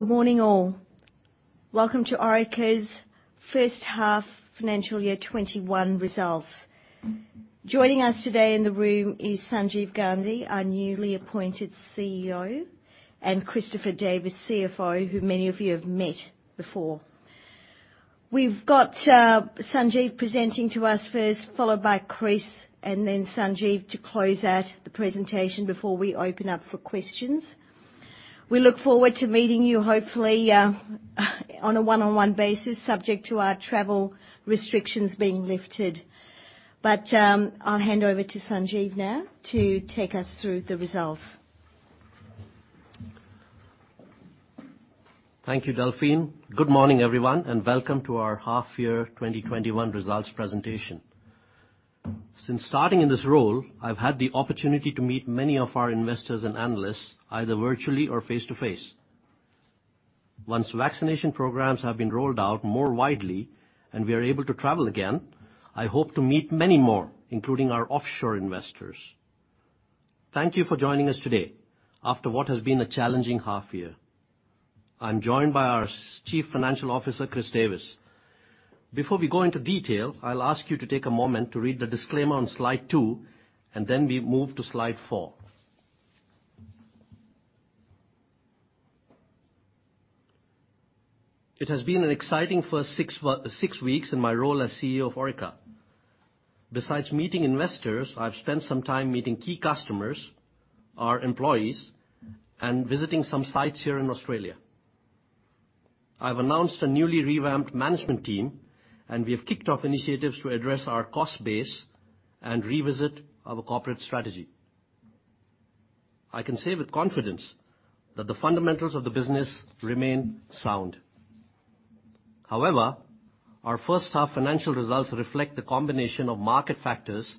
Good morning, all. Welcome to Orica's first half financial year 2021 results. Joining us today in the room is Sanjeev Gandhi, our newly appointed CEO, and Christopher Davis, CFO, who many of you have met before. We've got Sanjeev presenting to us first, followed by Chris, and then Sanjeev to close out the presentation before we open up for questions. We look forward to meeting you hopefully on a one-on-one basis, subject to our travel restrictions being lifted. I'll hand over to Sanjeev now to take us through the results. Thank you, Delphine. Good morning, everyone, and welcome to our half year 2021 results presentation. Since starting in this role, I've had the opportunity to meet many of our investors and analysts, either virtually or face-to-face. Once vaccination programs have been rolled out more widely and we are able to travel again, I hope to meet many more, including our offshore investors. Thank you for joining us today after what has been a challenging half year. I'm joined by our Chief Financial Officer, Chris Davis. Before we go into detail, I'll ask you to take a moment to read the disclaimer on slide two, and then we move to slide four. It has been an exciting first six weeks in my role as CEO of Orica. Besides meeting investors, I've spent some time meeting key customers, our employees, and visiting some sites here in Australia. I've announced a newly revamped management team. We have kicked off initiatives to address our cost base and revisit our corporate strategy. I can say with confidence that the fundamentals of the business remain sound. However, our first half financial results reflect the combination of market factors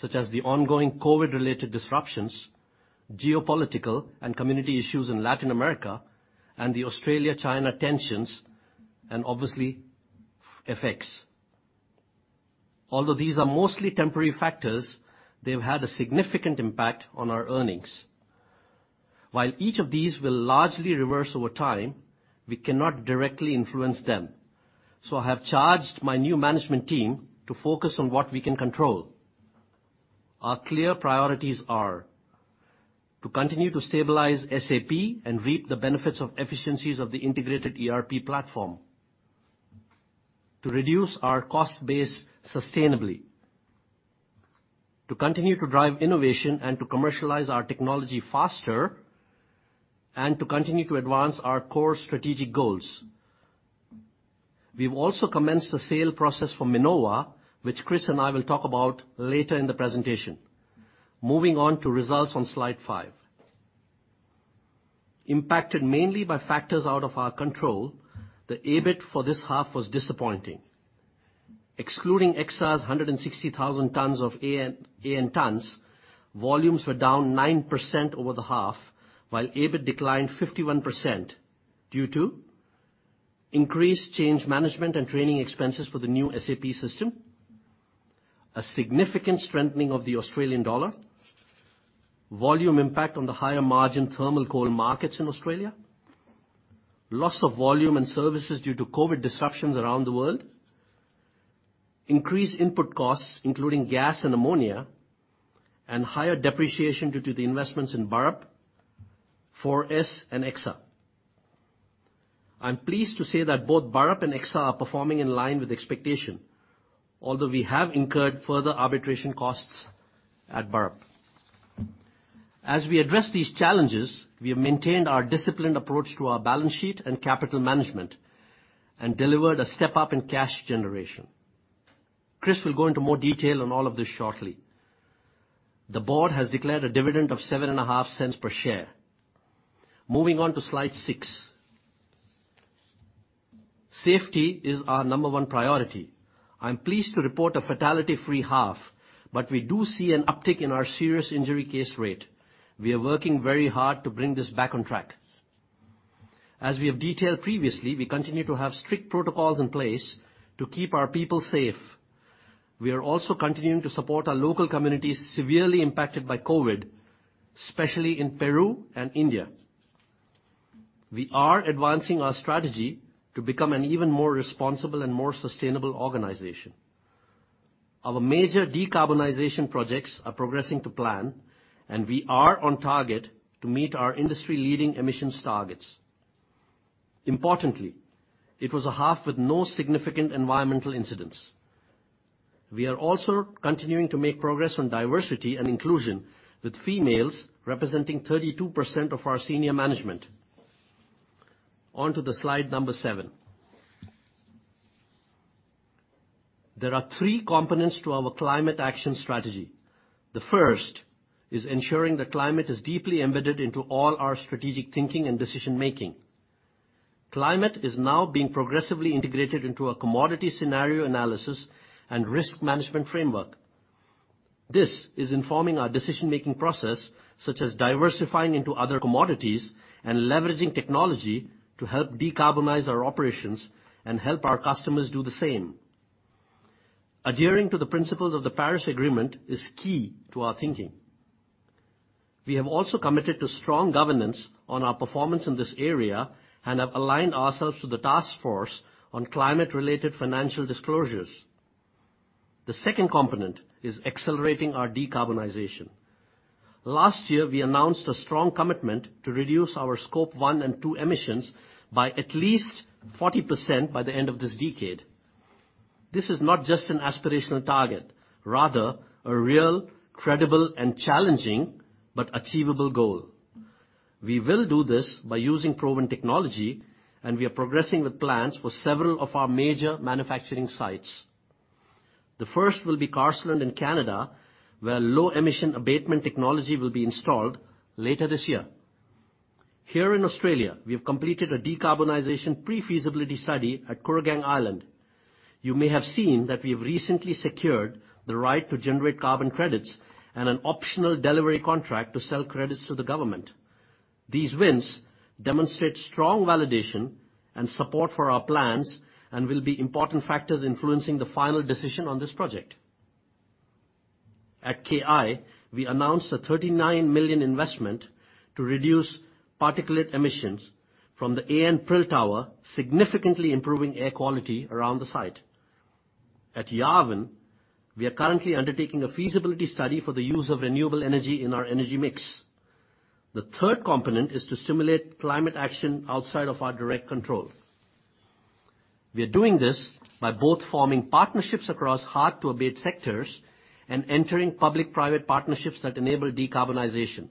such as the ongoing COVID-related disruptions, geopolitical and community issues in Latin America and the Australia-China tensions, and obviously FX. Although these are mostly temporary factors, they've had a significant impact on our earnings. While each of these will largely reverse over time, we cannot directly influence them. I have charged my new management team to focus on what we can control. Our clear priorities are to continue to stabilize SAP and reap the benefits of efficiencies of the integrated ERP platform, to reduce our cost base sustainably, to continue to drive innovation and to commercialize our technology faster, and to continue to advance our core strategic goals. We've also commenced the sale process for Minova, which Chris and I will talk about later in the presentation. Moving on to results on Slide five. Impacted mainly by factors out of our control, the EBIT for this half was disappointing. Excluding Exsa's 160,000 tons of AN tons, volumes were down 9% over the half, while EBIT declined 51% due to increased change management and training expenses for the new SAP system, a significant strengthening of the Australian dollar, volume impact on the higher-margin thermal coal markets in Australia, loss of volume and services due to COVID disruptions around the world, increased input costs, including gas and ammonia, and higher depreciation due to the investments in Burrup, 4D, and Exsa. I am pleased to say that both Burrup and Exsa are performing in line with expectation. Although we have incurred further arbitration costs at Burrup. As we address these challenges, we have maintained our disciplined approach to our balance sheet and capital management and delivered a step-up in cash generation. Chris will go into more detail on all of this shortly. The board has declared a dividend of 0.075 per share. Moving on to slide six. Safety is our number one priority. I am pleased to report a fatality-free half, but we do see an uptick in our serious injury case rate. We are working very hard to bring this back on track. As we have detailed previously, we continue to have strict protocols in place to keep our people safe. We are also continuing to support our local communities severely impacted by COVID, especially in Peru and India. We are advancing our strategy to become an even more responsible and more sustainable organization. Our major decarbonization projects are progressing to plan, and we are on target to meet our industry-leading emissions targets. Importantly, it was a half with no significant environmental incidents. We are also continuing to make progress on diversity and inclusion, with females representing 32% of our senior management. Onto slide number seven. There are three components to our climate action strategy. The first is ensuring that climate is deeply embedded into all our strategic thinking and decision-making. Climate is now being progressively integrated into a commodity scenario analysis and risk management framework. This is informing our decision-making process, such as diversifying into other commodities and leveraging technology to help decarbonize our operations and help our customers do the same. Adhering to the principles of the Paris Agreement is key to our thinking. We have also committed to strong governance on our performance in this area and have aligned ourselves with the Task Force on Climate-related Financial Disclosures. The second component is accelerating our decarbonization. Last year, we announced a strong commitment to reduce our scope one and two emissions by at least 40% by the end of this decade. This is not just an aspirational target, rather, a real credible and challenging, but achievable goal. We will do this by using proven technology, and we are progressing with plans for several of our major manufacturing sites. The first will be Carseland in Canada, where low emission abatement technology will be installed later this year. Here in Australia, we have completed a decarbonization pre-feasibility study at Kooragang Island. You may have seen that we have recently secured the right to generate carbon credits and an optional delivery contract to sell credits to the government. These wins demonstrate strong validation and support for our plans and will be important factors influencing the final decision on this project. At KI, we announced a 39 million investment to reduce particulate emissions from the AN prill tower, significantly improving air quality around the site. At Yarwun, we are currently undertaking a feasibility study for the use of renewable energy in our energy mix. The third component is to stimulate climate action outside of our direct control. We are doing this by both forming partnerships across hard-to-abate sectors and entering public-private partnerships that enable decarbonization,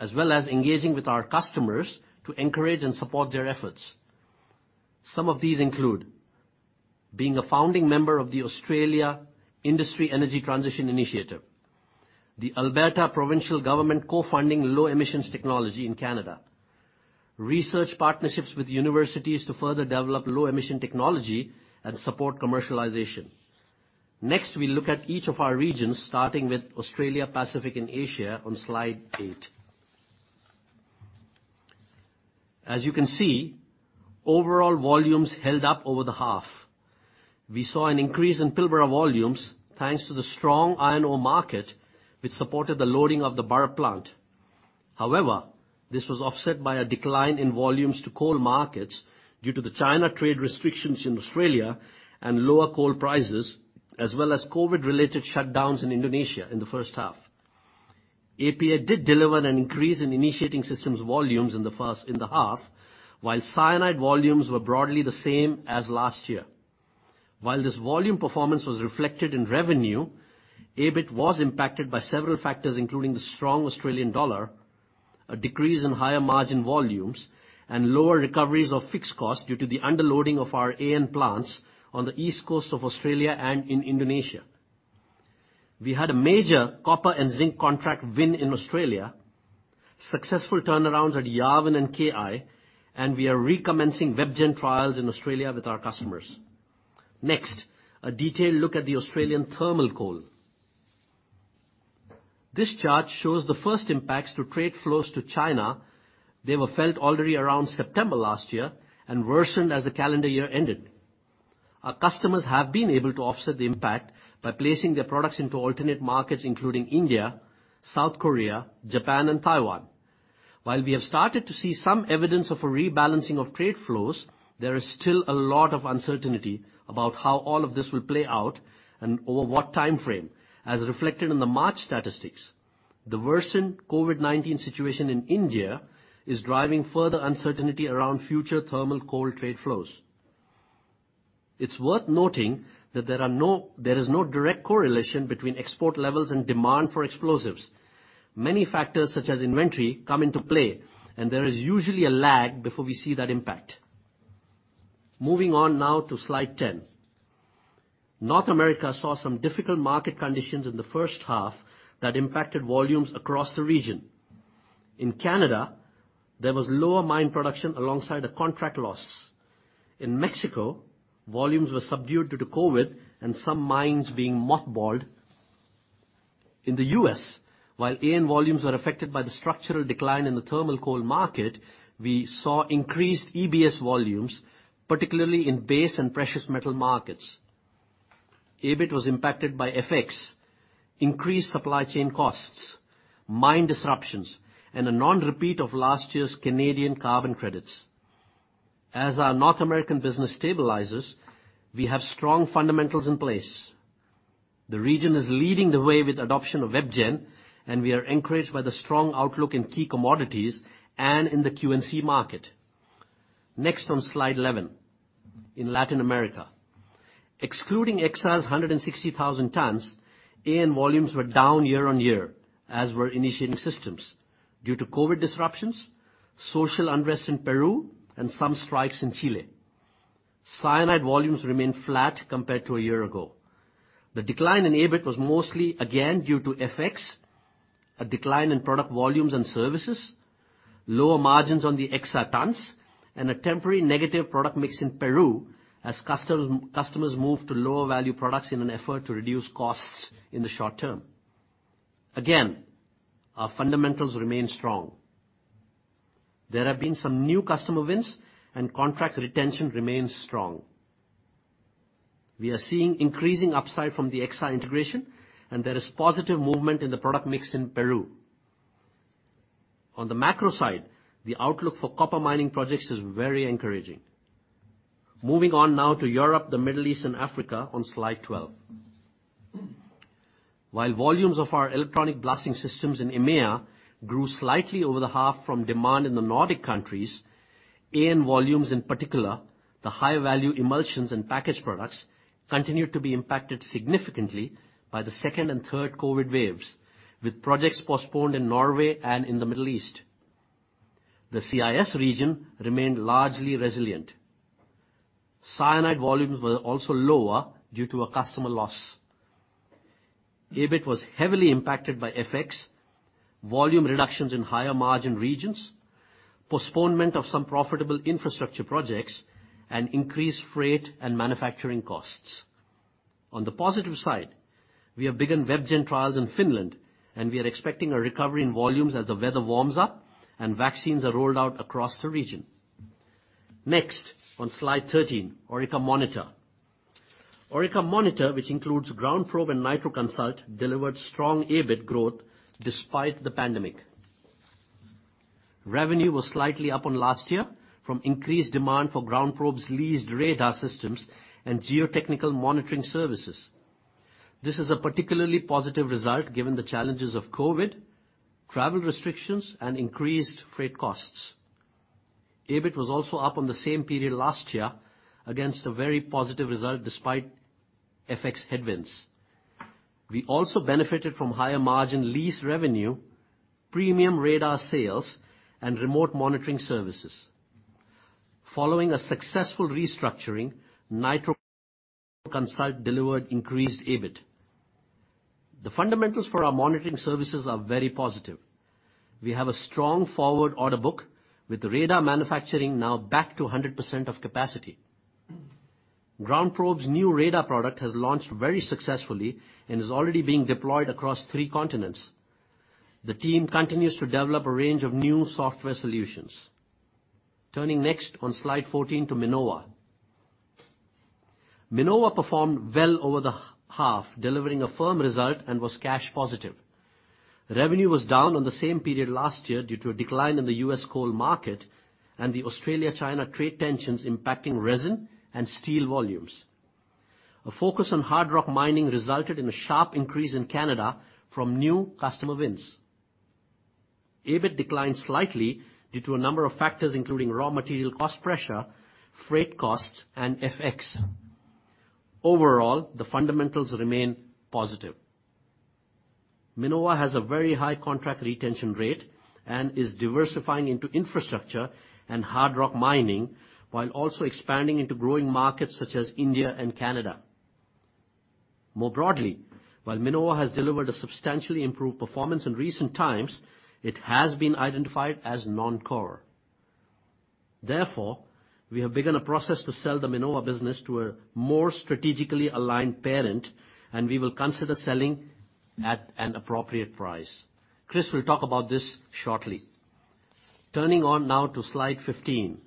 as well as engaging with our customers to encourage and support their efforts. Some of these include being a founding member of the Australian Industry Energy Transitions Initiative, the Alberta Provincial Government co-funding low emissions technology in Canada, research partnerships with universities to further develop low emission technology and support commercialization. Next, we look at each of our regions, starting with Australia Pacific and Asia on slide eight. As you can see, overall volumes held up over the half. We saw an increase in Pilbara volumes thanks to the strong iron ore market, which supported the loading of the Burrup plant. However, this was offset by a decline in volumes to coal markets due to the China trade restrictions in Australia and lower coal prices, as well as COVID-related shutdowns in Indonesia in the first half. APA did deliver an increase in initiating systems volumes in the half, while cyanide volumes were broadly the same as last year. While this volume performance was reflected in revenue, EBIT was impacted by several factors, including the strong Australian dollar, a decrease in higher margin volumes, and lower recoveries of fixed costs due to the underloading of our AN plants on the East Coast of Australia and in Indonesia. We had a major copper and zinc contract win in Australia, successful turnarounds at Yarwun and KI. We are recommencing WebGen trials in Australia with our customers. Next, a detailed look at the Australian thermal coal. This chart shows the first impacts to trade flows to China. They were felt already around September last year and worsened as the calendar year ended. Our customers have been able to offset the impact by placing their products into alternate markets, including India, South Korea, Japan, and Taiwan. While we have started to see some evidence of a rebalancing of trade flows, there is still a lot of uncertainty about how all of this will play out and over what timeframe. As reflected in the March statistics, the worsened COVID-19 situation in India is driving further uncertainty around future thermal coal trade flows. It's worth noting that there is no direct correlation between export levels and demand for explosives. Many factors, such as inventory, come into play, and there is usually a lag before we see that impact. Moving on now to slide 10. North America saw some difficult market conditions in the first half that impacted volumes across the region. In Canada, there was lower mine production alongside a contract loss. In Mexico, volumes were subdued due to COVID and some mines being mothballed. In the U.S., while AN volumes were affected by the structural decline in the thermal coal market, we saw increased EBS volumes, particularly in base and precious metal markets. EBIT was impacted by FX, increased supply chain costs, mine disruptions, and a non-repeat of last year's Canadian carbon credits. As our North American business stabilizes, we have strong fundamentals in place. The region is leading the way with adoption of WebGen, and we are encouraged by the strong outlook in key commodities and in the Q&C market. Next on slide 11. In Latin America, excluding Exsa's 160,000 tons, AN volumes were down year-on-year, as were initiating systems due to COVID disruptions, social unrest in Peru, and some strikes in Chile. Cyanide volumes remained flat compared to a year ago. The decline in EBIT was mostly again due to FX, a decline in product volumes and services, lower margins on the Exsa tons, and a temporary negative product mix in Peru as customers moved to lower value products in an effort to reduce costs in the short term. Again, our fundamentals remain strong. There have been some new customer wins, and contract retention remains strong. We are seeing increasing upside from the Exsa integration, and there is positive movement in the product mix in Peru. On the macro side, the outlook for copper mining projects is very encouraging. Moving on now to Europe, the Middle East, and Africa on slide 12. While volumes of our electronic blasting systems in EMEA grew slightly over the half from demand in the Nordic countries, AN volumes in particular, the high-value emulsions and packaged products, continued to be impacted significantly by the second and third COVID waves, with projects postponed in Norway and in the Middle East. The CIS region remained largely resilient. Cyanide volumes were also lower due to a customer loss. EBIT was heavily impacted by FX, volume reductions in higher margin regions, postponement of some profitable infrastructure projects, and increased freight and manufacturing costs. On the positive side, we have begun WebGen trials in Finland, and we are expecting a recovery in volumes as the weather warms up and vaccines are rolled out across the region. Next, on slide 13, Orica Monitor. Orica Monitor, which includes GroundProbe and Nitro Consult, delivered strong EBIT growth despite the pandemic. Revenue was slightly up on last year from increased demand for GroundProbe's leased radar systems and geotechnical monitoring services. This is a particularly positive result given the challenges of COVID, travel restrictions, and increased freight costs. EBIT was also up on the same period last year against a very positive result despite FX headwinds. We also benefited from higher margin lease revenue, premium radar sales, and remote monitoring services. Following a successful restructuring, Nitro Consult delivered increased EBIT. The fundamentals for our monitoring services are very positive. We have a strong forward order book with radar manufacturing now back to 100% of capacity. GroundProbe's new radar product has launched very successfully and is already being deployed across three continents. The team continues to develop a range of new software solutions. Turning next on slide 14 to Minova. Minova performed well over the half, delivering a firm result and was cash positive. Revenue was down on the same period last year due to a decline in the U.S. coal market and the Australia-China trade tensions impacting resin and steel volumes. A focus on hard rock mining resulted in a sharp increase in Canada from new customer wins. EBIT declined slightly due to a number of factors, including raw material cost pressure, freight costs, and FX. Overall, the fundamentals remain positive. Minova has a very high contract retention rate and is diversifying into infrastructure and hard rock mining while also expanding into growing markets such as India and Canada. More broadly, while Minova has delivered a substantially improved performance in recent times, it has been identified as non-core. Therefore, we have begun a process to sell the Minova business to a more strategically aligned parent, and we will consider selling at an appropriate price. Chris will talk about this shortly. Turning now to slide 15.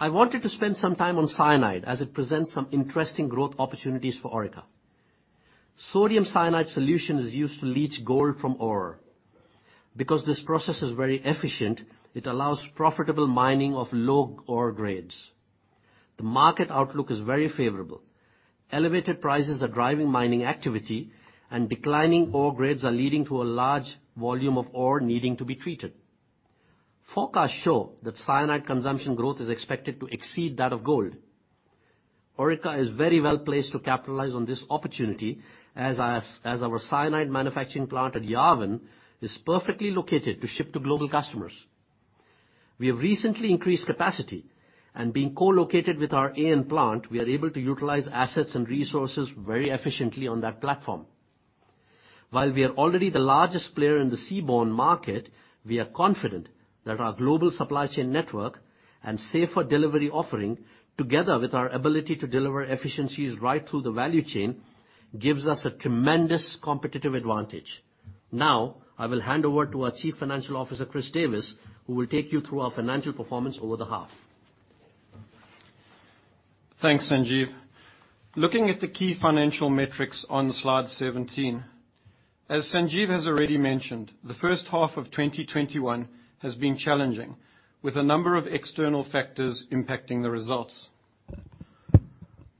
I wanted to spend some time on cyanide as it presents some interesting growth opportunities for Orica. Sodium cyanide solution is used to leach gold from ore. Because this process is very efficient, it allows profitable mining of low ore grades. The market outlook is very favorable. Elevated prices are driving mining activity, and declining ore grades are leading to a large volume of ore needing to be treated. Forecasts show that cyanide consumption growth is expected to exceed that of gold. Orica is very well-placed to capitalize on this opportunity as our cyanide manufacturing plant at Yarwun is perfectly located to ship to global customers. We have recently increased capacity and being co-located with our AN plant, we are able to utilize assets and resources very efficiently on that platform. While we are already the largest player in the seaborne market, we are confident that our global supply chain network and safer delivery offering, together with our ability to deliver efficiencies right through the value chain, gives us a tremendous competitive advantage. Now, I will hand over to our Chief Financial Officer, Chris Davis, who will take you through our financial performance over the half. Thanks, Sanjiv. Looking at the key financial metrics on slide 17. As Sanjiv has already mentioned, the first half of 2021 has been challenging, with a number of external factors impacting the results.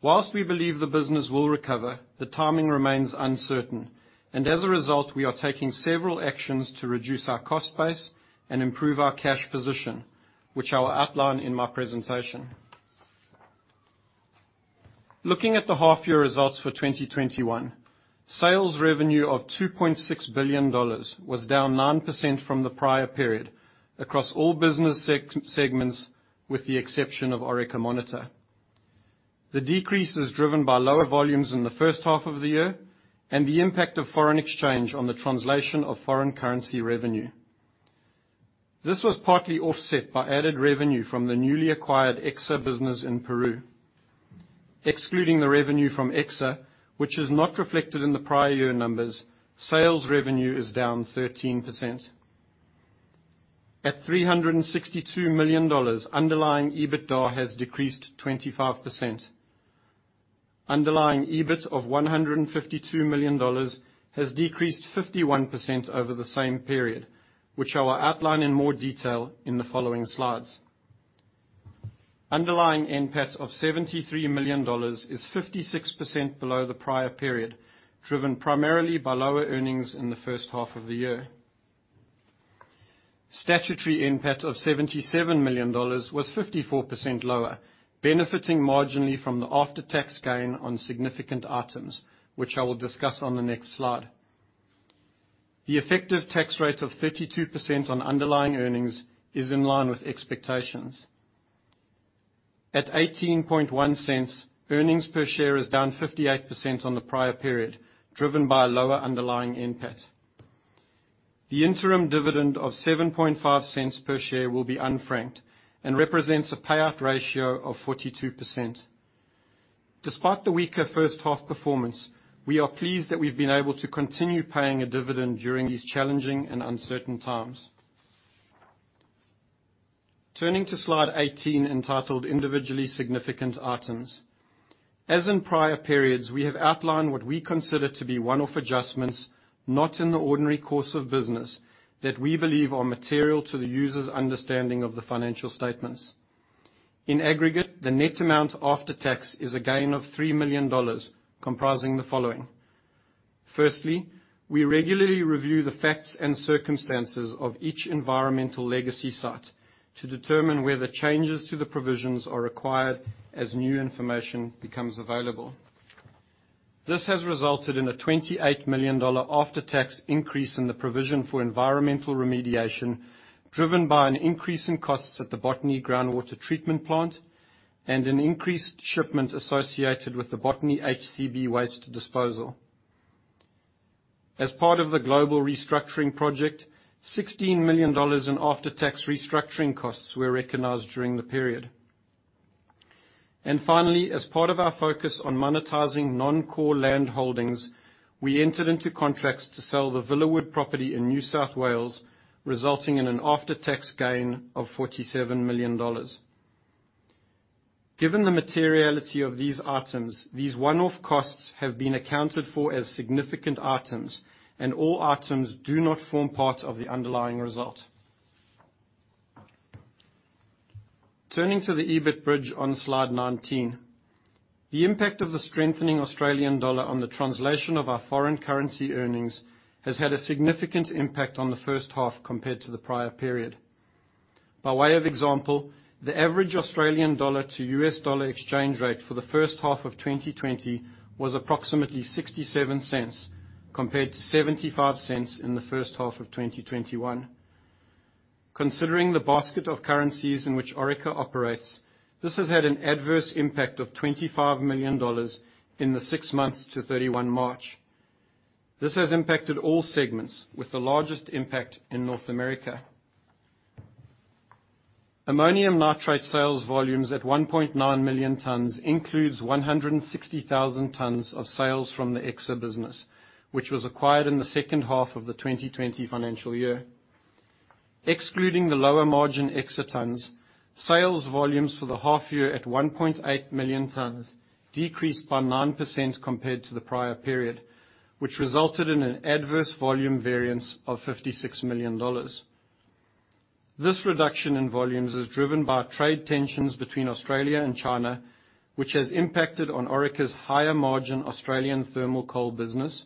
Whilst we believe the business will recover, the timing remains uncertain, and as a result, we are taking several actions to reduce our cost base and improve our cash position, which I will outline in my presentation. Looking at the half-year results for 2021, sales revenue of 2.6 billion dollars was down 9% from the prior period across all business segments, with the exception of Orica Monitor. The decrease is driven by lower volumes in the first half of the year and the impact of foreign exchange on the translation of foreign currency revenue. This was partly offset by added revenue from the newly acquired Exsa business in Peru. Excluding the revenue from Exsa, which is not reflected in the prior year numbers, sales revenue is down 13%. At 362 million dollars, underlying EBITDA has decreased 25%. Underlying EBIT of 152 million dollars has decreased 51% over the same period, which I will outline in more detail in the following slides. Underlying NPAT of 73 million dollars is 56% below the prior period, driven primarily by lower earnings in the first half of the year. Statutory NPAT of 77 million dollars was 54% lower, benefiting marginally from the after-tax gain on significant items, which I will discuss on the next slide. The effective tax rate of 32% on underlying earnings is in line with expectations. At 0.181, earnings per share is down 58% on the prior period, driven by lower underlying NPAT. The interim dividend of 0.075 per share will be unfranked and represents a payout ratio of 42%. Despite the weaker first half performance, we are pleased that we've been able to continue paying a dividend during these challenging and uncertain times. Turning to Slide 18 entitled Individually Significant Items. As in prior periods, we have outlined what we consider to be one-off adjustments, not in the ordinary course of business that we believe are material to the user's understanding of the financial statements. In aggregate, the net amount after tax is a gain of 3 million dollars comprising the following. Firstly, we regularly review the facts and circumstances of each environmental legacy site to determine whether changes to the provisions are required as new information becomes available. This has resulted in an 28 million dollar after-tax increase in the provision for environmental remediation, driven by an increase in costs at the Botany Groundwater Treatment Plant and an increased shipment associated with the Botany HCB waste disposal. As part of the global restructuring project, 16 million dollars in after-tax restructuring costs were recognized during the period. Finally, as part of our focus on monetizing non-core land holdings, we entered into contracts to sell the Villawood property in New South Wales, resulting in an after-tax gain of 47 million dollars. Given the materiality of these items, these one-off costs have been accounted for as significant items. All items do not form part of the underlying result. Turning to the EBIT bridge on Slide 19. The impact of the strengthening Australian dollar on the translation of our foreign currency earnings has had a significant impact on the first half compared to the prior period. By way of example, the average Australian dollar to U.S. dollar exchange rate for the first half of 2020 was approximately 0.67, compared to 0.75 in the first half of 2021. Considering the basket of currencies in which Orica operates, this has had an adverse impact of 25 million dollars in the six months to 31 March. This has impacted all segments with the largest impact in North America. Ammonium nitrate sales volumes at 1.9 million tons includes 160,000 tonnes of sales from the Exsa business, which was acquired in the second half of the 2020 financial year. Excluding the lower margin Exsa tonnes, sales volumes for the half-year at 1.8 million tonnes decreased by 9% compared to the prior period, which resulted in an adverse volume variance of 56 million dollars. This reduction in volumes is driven by trade tensions between Australia and China, which has impacted on Orica's higher margin Australian thermal coal business,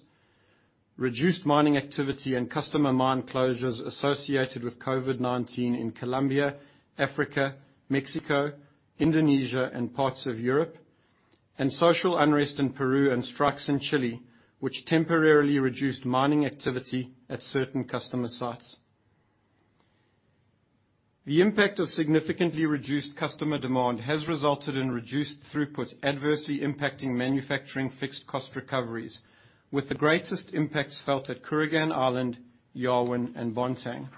reduced mining activity and customer mine closures associated with COVID-19 in Colombia, Africa, Mexico, Indonesia and parts of Europe, and social unrest in Peru and strikes in Chile, which temporarily reduced mining activity at certain customer sites. The impact of significantly reduced customer demand has resulted in reduced throughput, adversely impacting manufacturing fixed cost recoveries, with the greatest impacts felt at Kooragang Island, Yarwun, and Bontang.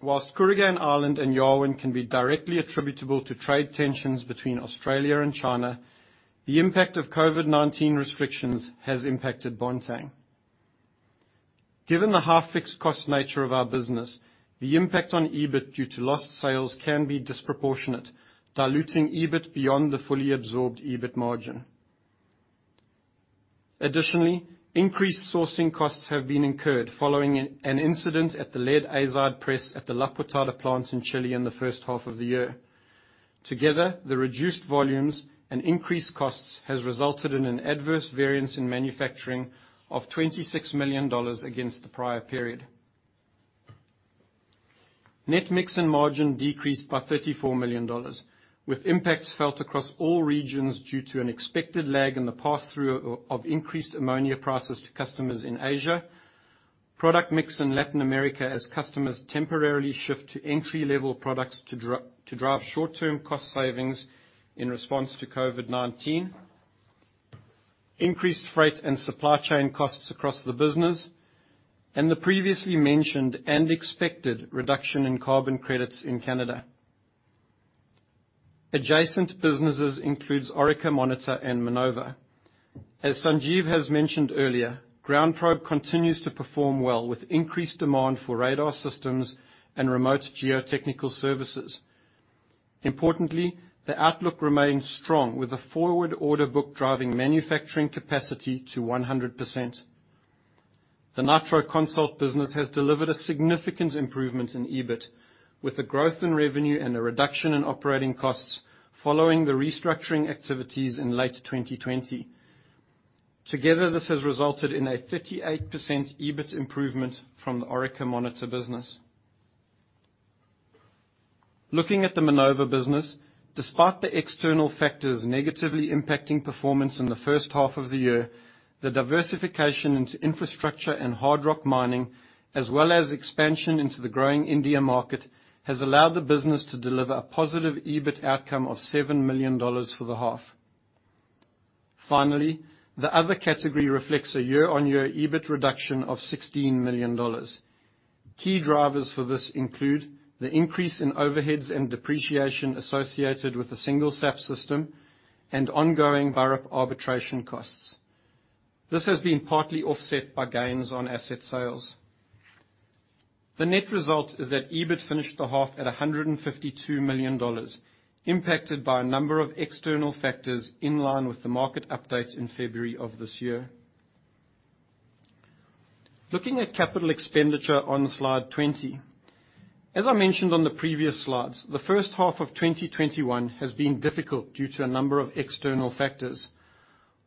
Whilst Kooragang Island and Yarwun can be directly attributable to trade tensions between Australia and China, the impact of COVID-19 restrictions has impacted Bontang. Given the half fixed cost nature of our business, the impact on EBIT due to lost sales can be disproportionate, diluting EBIT beyond the fully absorbed EBIT margin. Additionally, increased sourcing costs have been incurred following an incident at the lead azide press at the La Pintada plant in Chile in the first half of the year. Together, the reduced volumes and increased costs has resulted in an adverse variance in manufacturing of 26 million dollars against the prior period. Net mix and margin decreased by 34 million dollars, with impacts felt across all regions due to an expected lag in the pass-through of increased ammonia prices to customers in Asia. Product mix in Latin America as customers temporarily shift to entry-level products to drive short-term cost savings in response to COVID-19. Increased freight and supply chain costs across the business, and the previously mentioned and expected reduction in carbon credits in Canada. Adjacent businesses includes Orica Monitor and Minova. As Sanjiv has mentioned earlier, GroundProbe continues to perform well with increased demand for radar systems and remote geotechnical services. Importantly, the outlook remains strong with the forward order book driving manufacturing capacity to 100%. The Nitro Consult business has delivered a significant improvement in EBIT with a growth in revenue and a reduction in operating costs following the restructuring activities in late 2020. Together, this has resulted in a 38% EBIT improvement from the Orica Monitor business. Looking at the Minova business, despite the external factors negatively impacting performance in the first half of the year, the diversification into infrastructure and hard rock mining, as well as expansion into the growing India market, has allowed the business to deliver a positive EBIT outcome of 7 million dollars for the half. Finally, the other category reflects a year-on-year EBIT reduction of 16 million dollars. Key drivers for this include the increase in overheads and depreciation associated with the single SAP system and ongoing Burrup arbitration costs. This has been partly offset by gains on asset sales. The net result is that EBIT finished the half at 152 million dollars, impacted by a number of external factors in line with the market updates in February of this year. Looking at capital expenditure on slide 20. As I mentioned on the previous slides, the first half of 2021 has been difficult due to a number of external factors.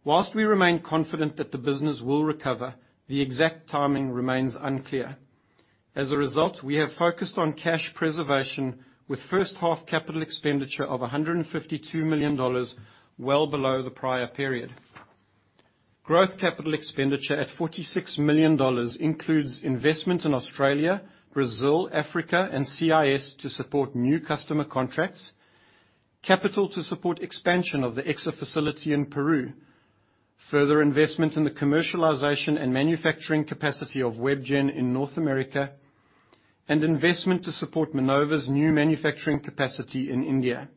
Whilst we remain confident that the business will recover, the exact timing remains unclear. As a result, we have focused on cash preservation with first-half capital expenditure of AUD 152 million, well below the prior period. Growth capital expenditure at AUD 46 million includes investment in Australia, Brazil, Africa, and CIS to support new customer contracts, capital to support expansion of the Exsa facility in Peru, further investment in the commercialization and manufacturing capacity of WebGen in North America, and investment to support Minova's new manufacturing capacity in India.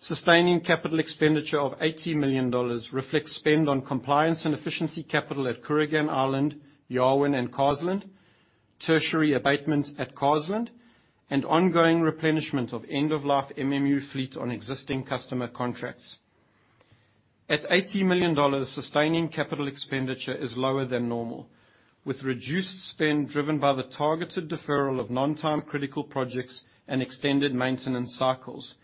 Sustaining capital expenditure of 80 million dollars reflects spend on compliance and efficiency capital at Kooragang Island, Yarwun, and Carseland, tertiary abatement at Carseland, and ongoing replenishment of end-of-life MMU fleet on existing customer contracts. At 80 million dollars, sustaining capital expenditure is lower than normal, with reduced spend driven by the targeted deferral of non-time critical projects and extended maintenance cycles.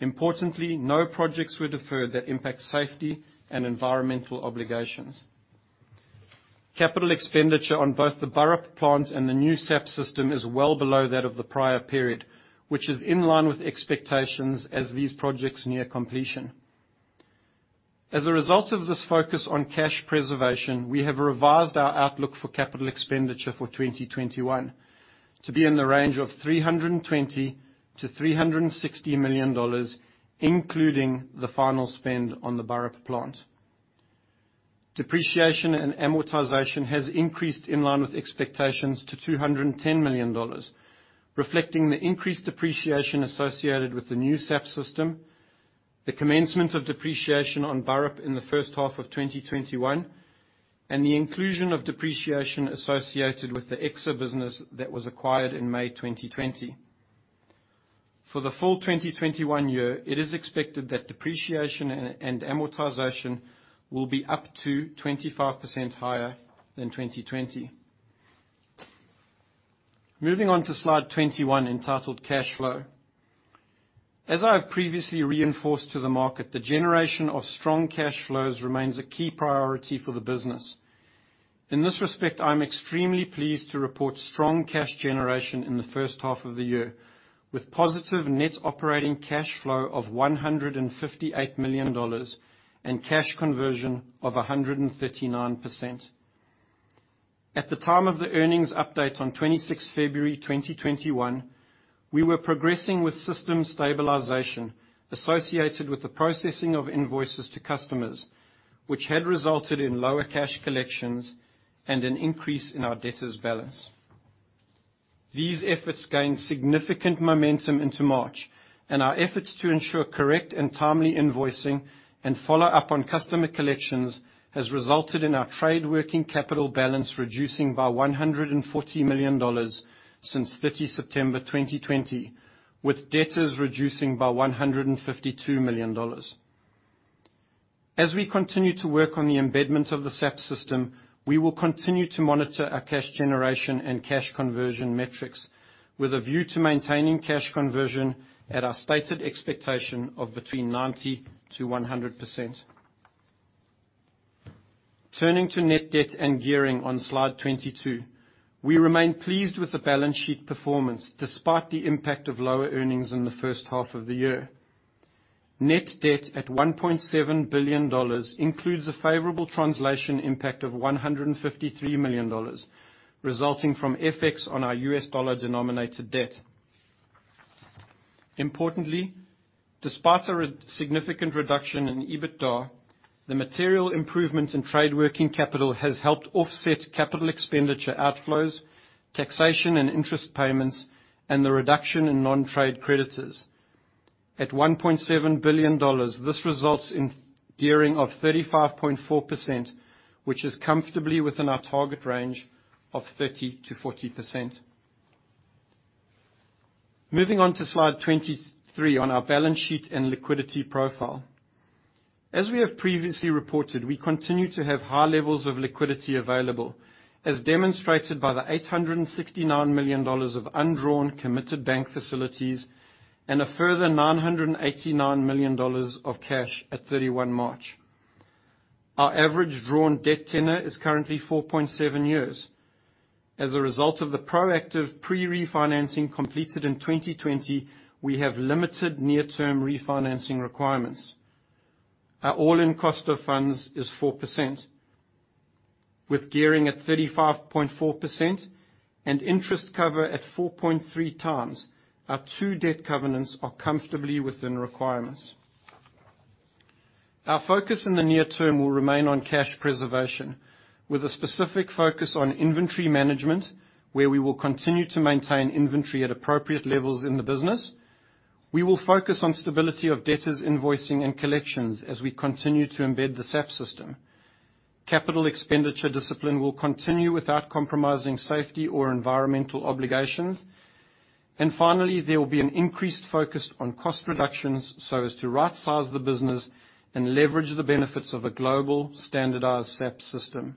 Importantly, no projects were deferred that impact safety and environmental obligations. Capital expenditure on both the Burrup plant and the new SAP system is well below that of the prior period, which is in line with expectations as these projects near completion. As a result of this focus on cash preservation, we have revised our outlook for capital expenditure for 2021 to be in the range of 320 million-360 million dollars, including the final spend on the Burrup plant. Depreciation and amortization has increased in line with expectations to 210 million dollars, reflecting the increased depreciation associated with the new SAP system, the commencement of depreciation on Burrup in the first half of 2021, and the inclusion of depreciation associated with the Exsa business that was acquired in May 2020. For the full 2021 year, it is expected that depreciation and amortization will be up to 25% higher than 2020. Moving on to slide 21, entitled Cash Flow. As I have previously reinforced to the market, the generation of strong cash flows remains a key priority for the business. In this respect, I am extremely pleased to report strong cash generation in the first half of the year, with positive net operating cash flow of 158 million dollars and cash conversion of 139%. At the time of the earnings update on 26 February 2021, we were progressing with system stabilization associated with the processing of invoices to customers, which had resulted in lower cash collections and an increase in our debtors' balance. These efforts gained significant momentum into March, and our efforts to ensure correct and timely invoicing and follow up on customer collections has resulted in our trade working capital balance reducing by 140 million dollars since 30 September 2020, with debtors reducing by 152 million dollars. As we continue to work on the embedment of the SAP system, we will continue to monitor our cash generation and cash conversion metrics with a view to maintaining cash conversion at our stated expectation of between 90%-100%. Turning to net debt and gearing on slide 22. We remain pleased with the balance sheet performance, despite the impact of lower earnings in the first half of the year. Net debt at 1.7 billion dollars includes a favorable translation impact of 153 million dollars, resulting from FX on our US dollar-denominated debt. Importantly, despite a significant reduction in EBITDA, the material improvement in trade working capital has helped offset capital expenditure outflows, taxation and interest payments, and the reduction in non-trade creditors. At 1.7 billion dollars, this results in gearing of 35.4%, which is comfortably within our target range of 30%-40%. Moving on to slide 23 on our balance sheet and liquidity profile. As we have previously reported, we continue to have high levels of liquidity available, as demonstrated by the 869 million dollars of undrawn committed bank facilities and a further 989 million dollars of cash at 31 March. Our average drawn debt tenor is currently 4.7 years. As a result of the proactive pre-refinancing completed in 2020, we have limited near-term refinancing requirements. Our all-in cost of funds is 4%, with gearing at 35.4% and interest cover at 4.3 times. Our two debt covenants are comfortably within requirements. Our focus in the near term will remain on cash preservation, with a specific focus on inventory management, where we will continue to maintain inventory at appropriate levels in the business. We will focus on stability of debtors, invoicing, and collections as we continue to embed the SAP system. Capital expenditure discipline will continue without compromising safety or environmental obligations. Finally, there will be an increased focus on cost reductions so as to rightsize the business and leverage the benefits of a global standardized SAP system.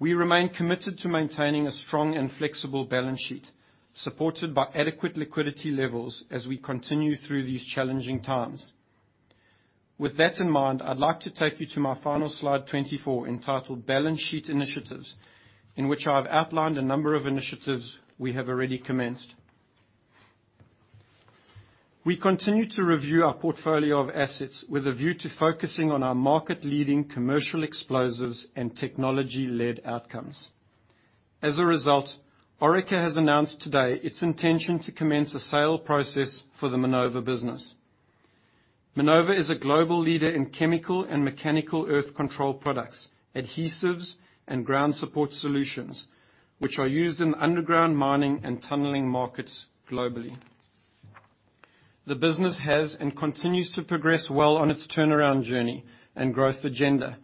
We remain committed to maintaining a strong and flexible balance sheet, supported by adequate liquidity levels as we continue through these challenging times. With that in mind, I'd like to take you to my final slide 24, entitled Balance Sheet Initiatives, in which I've outlined a number of initiatives we have already commenced. We continue to review our portfolio of assets with a view to focusing on our market-leading commercial explosives and technology-led outcomes. As a result, Orica has announced today its intention to commence a sale process for the Minova business. Minova is a global leader in chemical and mechanical earth control products, adhesives, and ground support solutions, which are used in underground mining and tunneling markets globally. The business has and continues to progress well on its turnaround journey and growth agenda,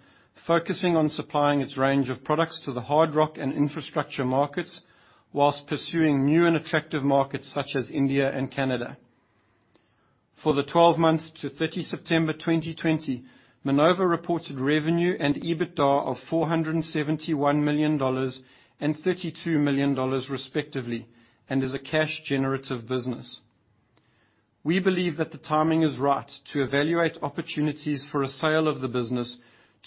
focusing on supplying its range of products to the hard rock and infrastructure markets whilst pursuing new and attractive markets such as India and Canada. For the 12 months to 30 September 2020, Minova reported revenue and EBITDA of 471 million dollars and 32 million dollars respectively, and is a cash generative business. We believe that the timing is right to evaluate opportunities for a sale of the business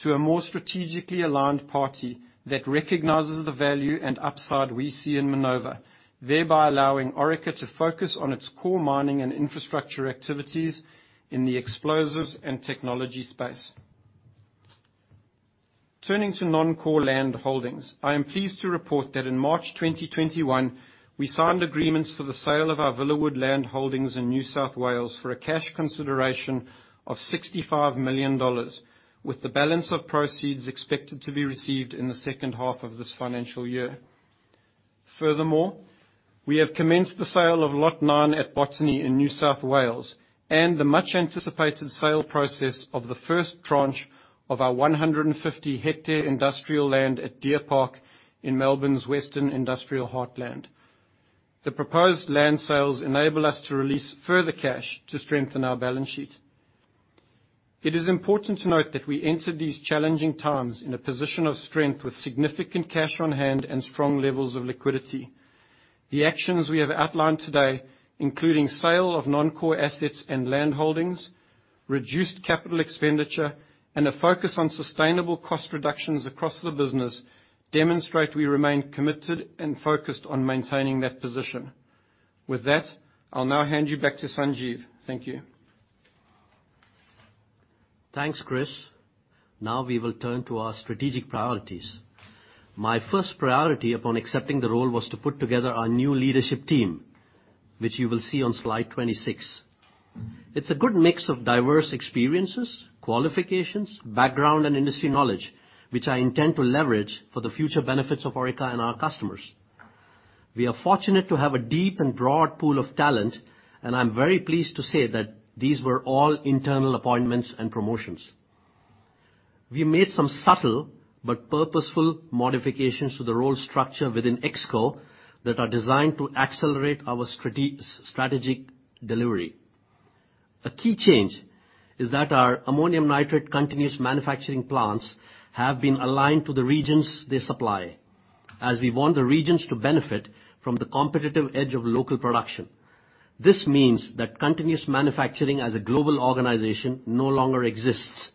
to a more strategically aligned party that recognizes the value and upside we see in Minova, thereby allowing Orica to focus on its core mining and infrastructure activities in the explosives and technology space. Turning to non-core land holdings, I am pleased to report that in March 2021, we signed agreements for the sale of our Villawood land holdings in New South Wales for a cash consideration of 65 million dollars, with the balance of proceeds expected to be received in the second half of this financial year. Furthermore, we have commenced the sale of Lot Nine at Botany in New South Wales and the much-anticipated sale process of the first tranche of our 150-hectare industrial land at Deer Park in Melbourne's western industrial heartland. The proposed land sales enable us to release further cash to strengthen our balance sheet. It is important to note that we entered these challenging times in a position of strength with significant cash on hand and strong levels of liquidity. The actions we have outlined today, including sale of non-core assets and land holdings, reduced capital expenditure, and a focus on sustainable cost reductions across the business, demonstrate we remain committed and focused on maintaining that position. With that, I'll now hand you back to Sanjeev. Thank you. Thanks, Chris. We will turn to our strategic priorities. My first priority upon accepting the role was to put together our new leadership team, which you will see on slide 26. It's a good mix of diverse experiences, qualifications, background, and industry knowledge, which I intend to leverage for the future benefits of Orica and our customers. We are fortunate to have a deep and broad pool of talent, and I'm very pleased to say that these were all internal appointments and promotions. We made some subtle but purposeful modifications to the role structure within ExCo that are designed to accelerate our strategic delivery. A key change is that our ammonium nitrate continuous manufacturing plants have been aligned to the regions they supply, as we want the regions to benefit from the competitive edge of local production. This means that continuous manufacturing as a global organization no longer exists.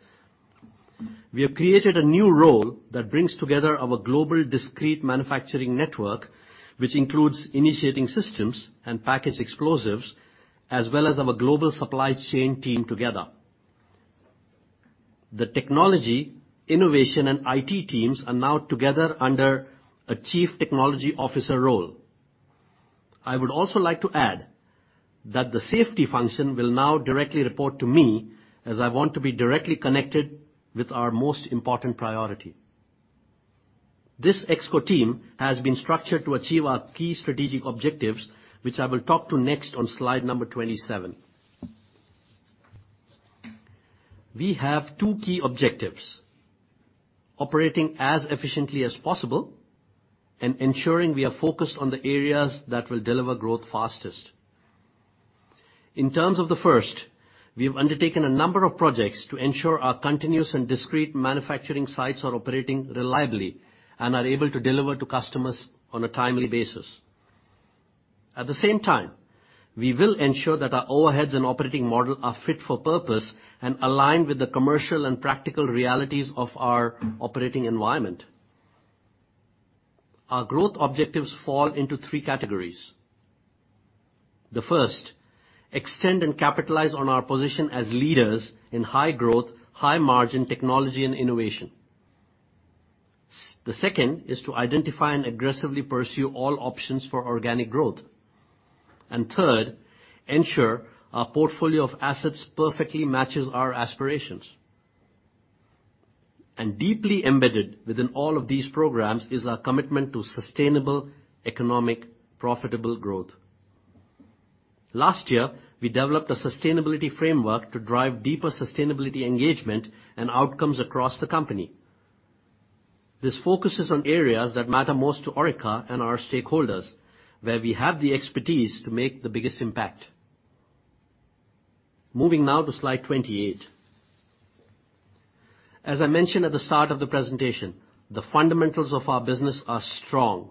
We have created a new role that brings together our global discrete manufacturing network, which includes initiating systems and package explosives, as well as our global supply chain team together. The technology, innovation, and IT teams are now together under a Chief Technology Officer role. I would also like to add that the safety function will now directly report to me, as I want to be directly connected with our most important priority. This ExCo team has been structured to achieve our key strategic objectives, which I will talk to next on slide number 27. We have two key objectives: operating as efficiently as possible, and ensuring we are focused on the areas that will deliver growth fastest. In terms of the first, we have undertaken a number of projects to ensure our continuous and discrete manufacturing sites are operating reliably and are able to deliver to customers on a timely basis. At the same time, we will ensure that our overheads and operating model are fit for purpose and aligned with the commercial and practical realities of our operating environment. Our growth objectives fall into 3 categories. The first, extend and capitalize on our position as leaders in high growth, high margin technology and innovation. The second is to identify and aggressively pursue all options for organic growth. Third, ensure our portfolio of assets perfectly matches our aspirations. Deeply embedded within all of these programs is our commitment to sustainable economic, profitable growth. Last year, we developed a sustainability framework to drive deeper sustainability engagement and outcomes across the company. This focuses on areas that matter most to Orica and our stakeholders, where we have the expertise to make the biggest impact. Moving now to slide 28. As I mentioned at the start of the presentation, the fundamentals of our business are strong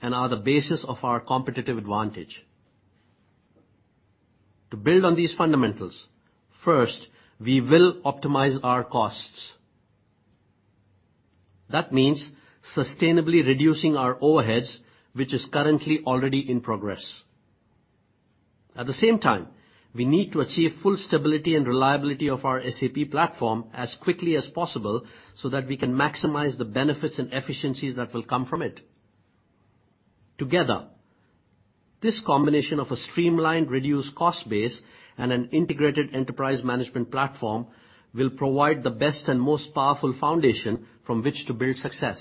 and are the basis of our competitive advantage. To build on these fundamentals, first, we will optimize our costs. That means sustainably reducing our overheads, which is currently already in progress. At the same time, we need to achieve full stability and reliability of our SAP platform as quickly as possible so that we can maximize the benefits and efficiencies that will come from it. Together, this combination of a streamlined, reduced cost base and an integrated enterprise management platform will provide the best and most powerful foundation from which to build success.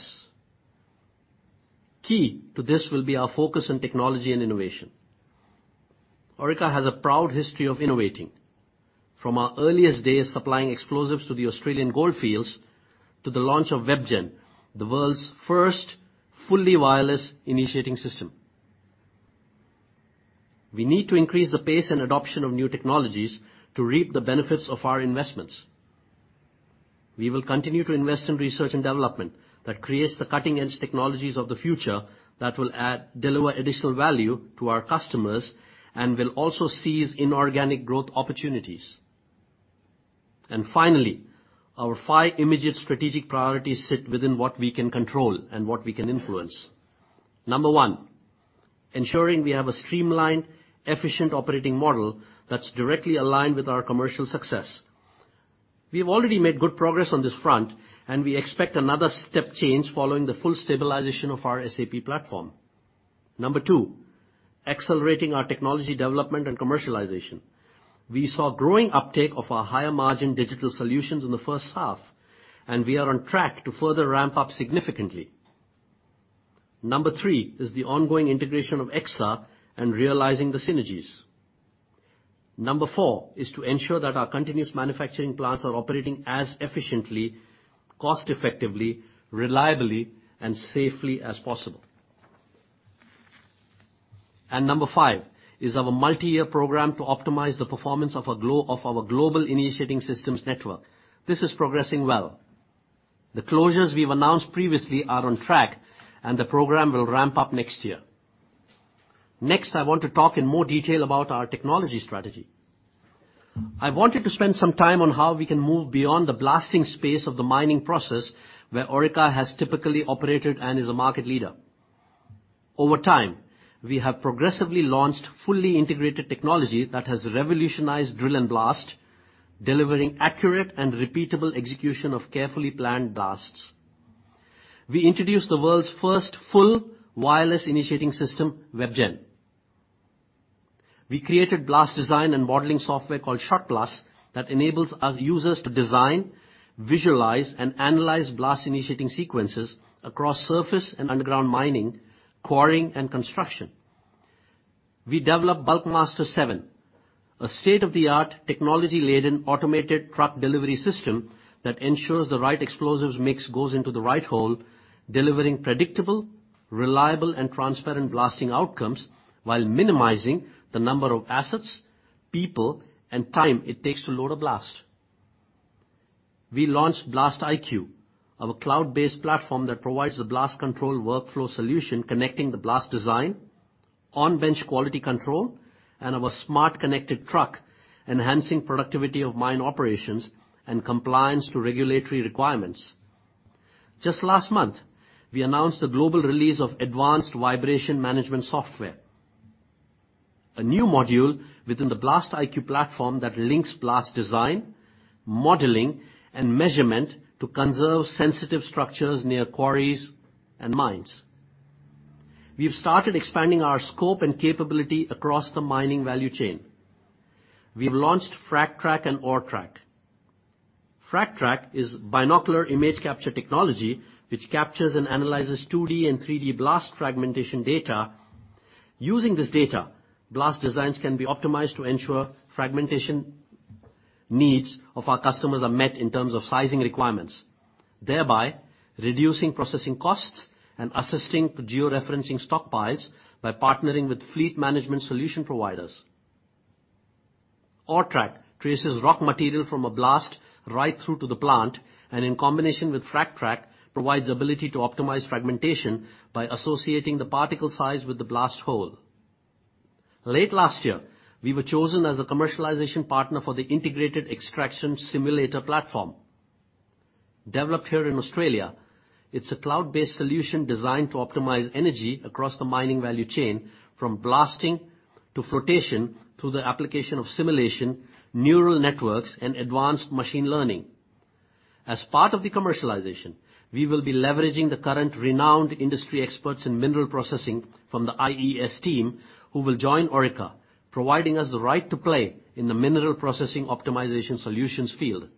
Key to this will be our focus on technology and innovation. Orica has a proud history of innovating, from our earliest days supplying explosives to the Australian gold fields, to the launch of WebGen, the world's first fully wireless initiating system. We need to increase the pace and adoption of new technologies to reap the benefits of our investments. We will continue to invest in research and development that creates the cutting edge technologies of the future that will deliver additional value to our customers and will also seize inorganic growth opportunities. Finally, our five immediate strategic priorities sit within what we can control and what we can influence. Number 1, ensuring we have a streamlined, efficient operating model that's directly aligned with our commercial success. We have already made good progress on this front, and we expect another step change following the full stabilization of our SAP platform. Number 2, accelerating our technology development and commercialization. We saw growing uptake of our higher margin digital solutions in the first half, and we are on track to further ramp up significantly. Number 3 is the ongoing integration of Exsa and realizing the synergies. Number 4 is to ensure that our continuous manufacturing plants are operating as efficiently, cost effectively, reliably, and safely as possible. Number 5 is our multi-year program to optimize the performance of our global initiating systems network. This is progressing well. The closures we've announced previously are on track, and the program will ramp up next year. Next, I want to talk in more detail about our technology strategy. I wanted to spend some time on how we can move beyond the blasting space of the mining process, where Orica has typically operated and is a market leader. Over time, we have progressively launched fully integrated technology that has revolutionized drill and blast, delivering accurate and repeatable execution of carefully planned blasts. We introduced the world's first full wireless initiating system, WebGen. We created blast design and modeling software called SHOTPlus that enables users to design, visualize, and analyze blast initiating sequences across surface and underground mining, Quarry and Construction. We developed Bulkmaster 7, a state-of-the-art, technology-laden automated truck delivery system that ensures the right explosives mix goes into the right hole, delivering predictable, reliable, and transparent blasting outcomes while minimizing the number of assets, people, and time it takes to load a blast. We launched BlastIQ, our cloud-based platform that provides the blast control workflow solution connecting the blast design, on-bench quality control, and our smart connected truck, enhancing productivity of mine operations and compliance to regulatory requirements. Just last month, we announced the global release of advanced vibration management software. A new module within the BlastIQ platform that links blast design, modeling, and measurement to conserve sensitive structures near quarries and mines. We have started expanding our scope and capability across the mining value chain. We've launched FRAGTrack and ORETrack. FRAGTrack is binocular image capture technology which captures and analyzes 2D and 3D blast fragmentation data. Using this data, blast designs can be optimized to ensure fragmentation needs of our customers are met in terms of sizing requirements, thereby reducing processing costs and assisting geo-referencing stockpiles by partnering with fleet management solution providers. ORETrack traces rock material from a blast right through to the plant, and in combination with FRAGTrack, provides ability to optimize fragmentation by associating the particle size with the blast hole. Late last year, we were chosen as a commercialization partner for the Integrated Extraction Simulator platform. Developed here in Australia, it's a cloud-based solution designed to optimize energy across the mining value chain, from blasting to flotation, through the application of simulation, neural networks, and advanced machine learning. As part of the commercialization, we will be leveraging the current renowned industry experts in mineral processing from the IES team who will join Orica, providing us the right to play in the mineral processing optimization solutions field.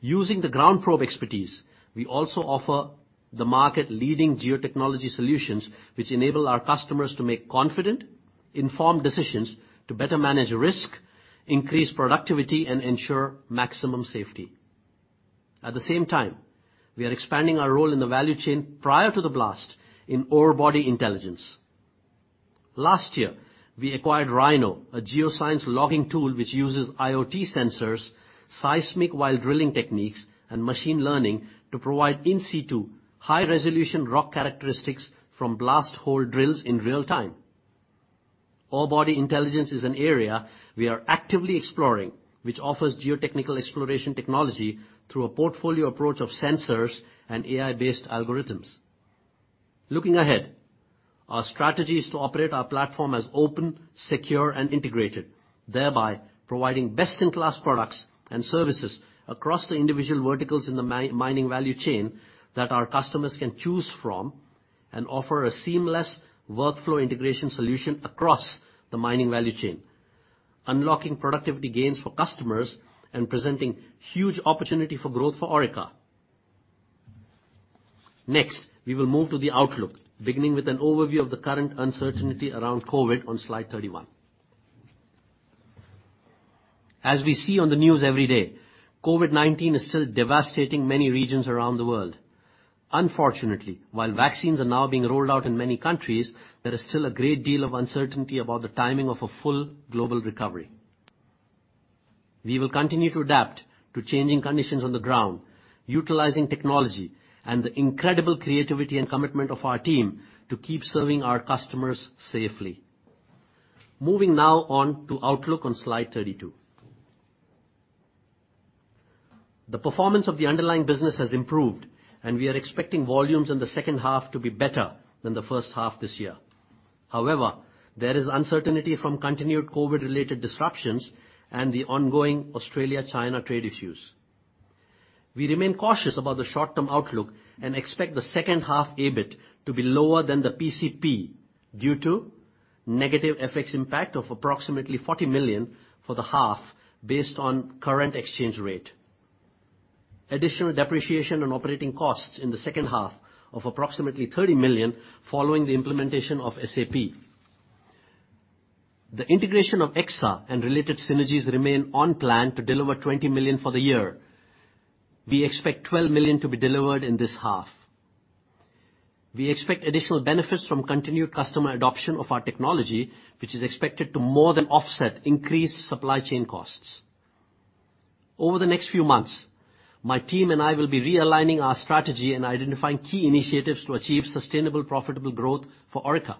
Using the GroundProbe expertise, we also offer the market-leading geotechnology solutions which enable our customers to make confident, informed decisions to better manage risk, increase productivity, and ensure maximum safety. At the same time, we are expanding our role in the value chain prior to the blast in ore body intelligence. Last year, we acquired Rhino, a geoscience logging tool which uses IoT sensors, seismic while-drilling techniques, and machine learning, to provide in situ, high-resolution rock characteristics from blast hole drills in real time. Ore body intelligence is an area we are actively exploring, which offers geotechnical exploration technology through a portfolio approach of sensors and AI-based algorithms. Looking ahead, our strategy is to operate our platform as open, secure, and integrated, thereby providing best-in-class products and services across the individual verticals in the mining value chain that our customers can choose from and offer a seamless workflow integration solution across the mining value chain, unlocking productivity gains for customers and presenting huge opportunity for growth for Orica. Next, we will move to the outlook, beginning with an overview of the current uncertainty around COVID on slide 31. As we see on the news every day, COVID-19 is still devastating many regions around the world. Unfortunately, while vaccines are now being rolled out in many countries, there is still a great deal of uncertainty about the timing of a full global recovery. We will continue to adapt to changing conditions on the ground, utilizing technology and the incredible creativity and commitment of our team to keep serving our customers safely. Moving now on to outlook on slide 32. The performance of the underlying business has improved. We are expecting volumes in the second half to be better than the first half this year. There is uncertainty from continued COVID-related disruptions and the ongoing Australia-China trade issues. We remain cautious about the short-term outlook. We expect the second half EBIT to be lower than the PCP due to negative FX impact of approximately 40 million for the half, based on current exchange rate. Additional depreciation and operating costs in the second half of approximately 30 million following the implementation of SAP. The integration of Exsa and related synergies remain on plan to deliver 20 million for the year. We expect 12 million to be delivered in this half. We expect additional benefits from continued customer adoption of our technology, which is expected to more than offset increased supply chain costs. Over the next few months, my team and I will be realigning our strategy and identifying key initiatives to achieve sustainable profitable growth for Orica.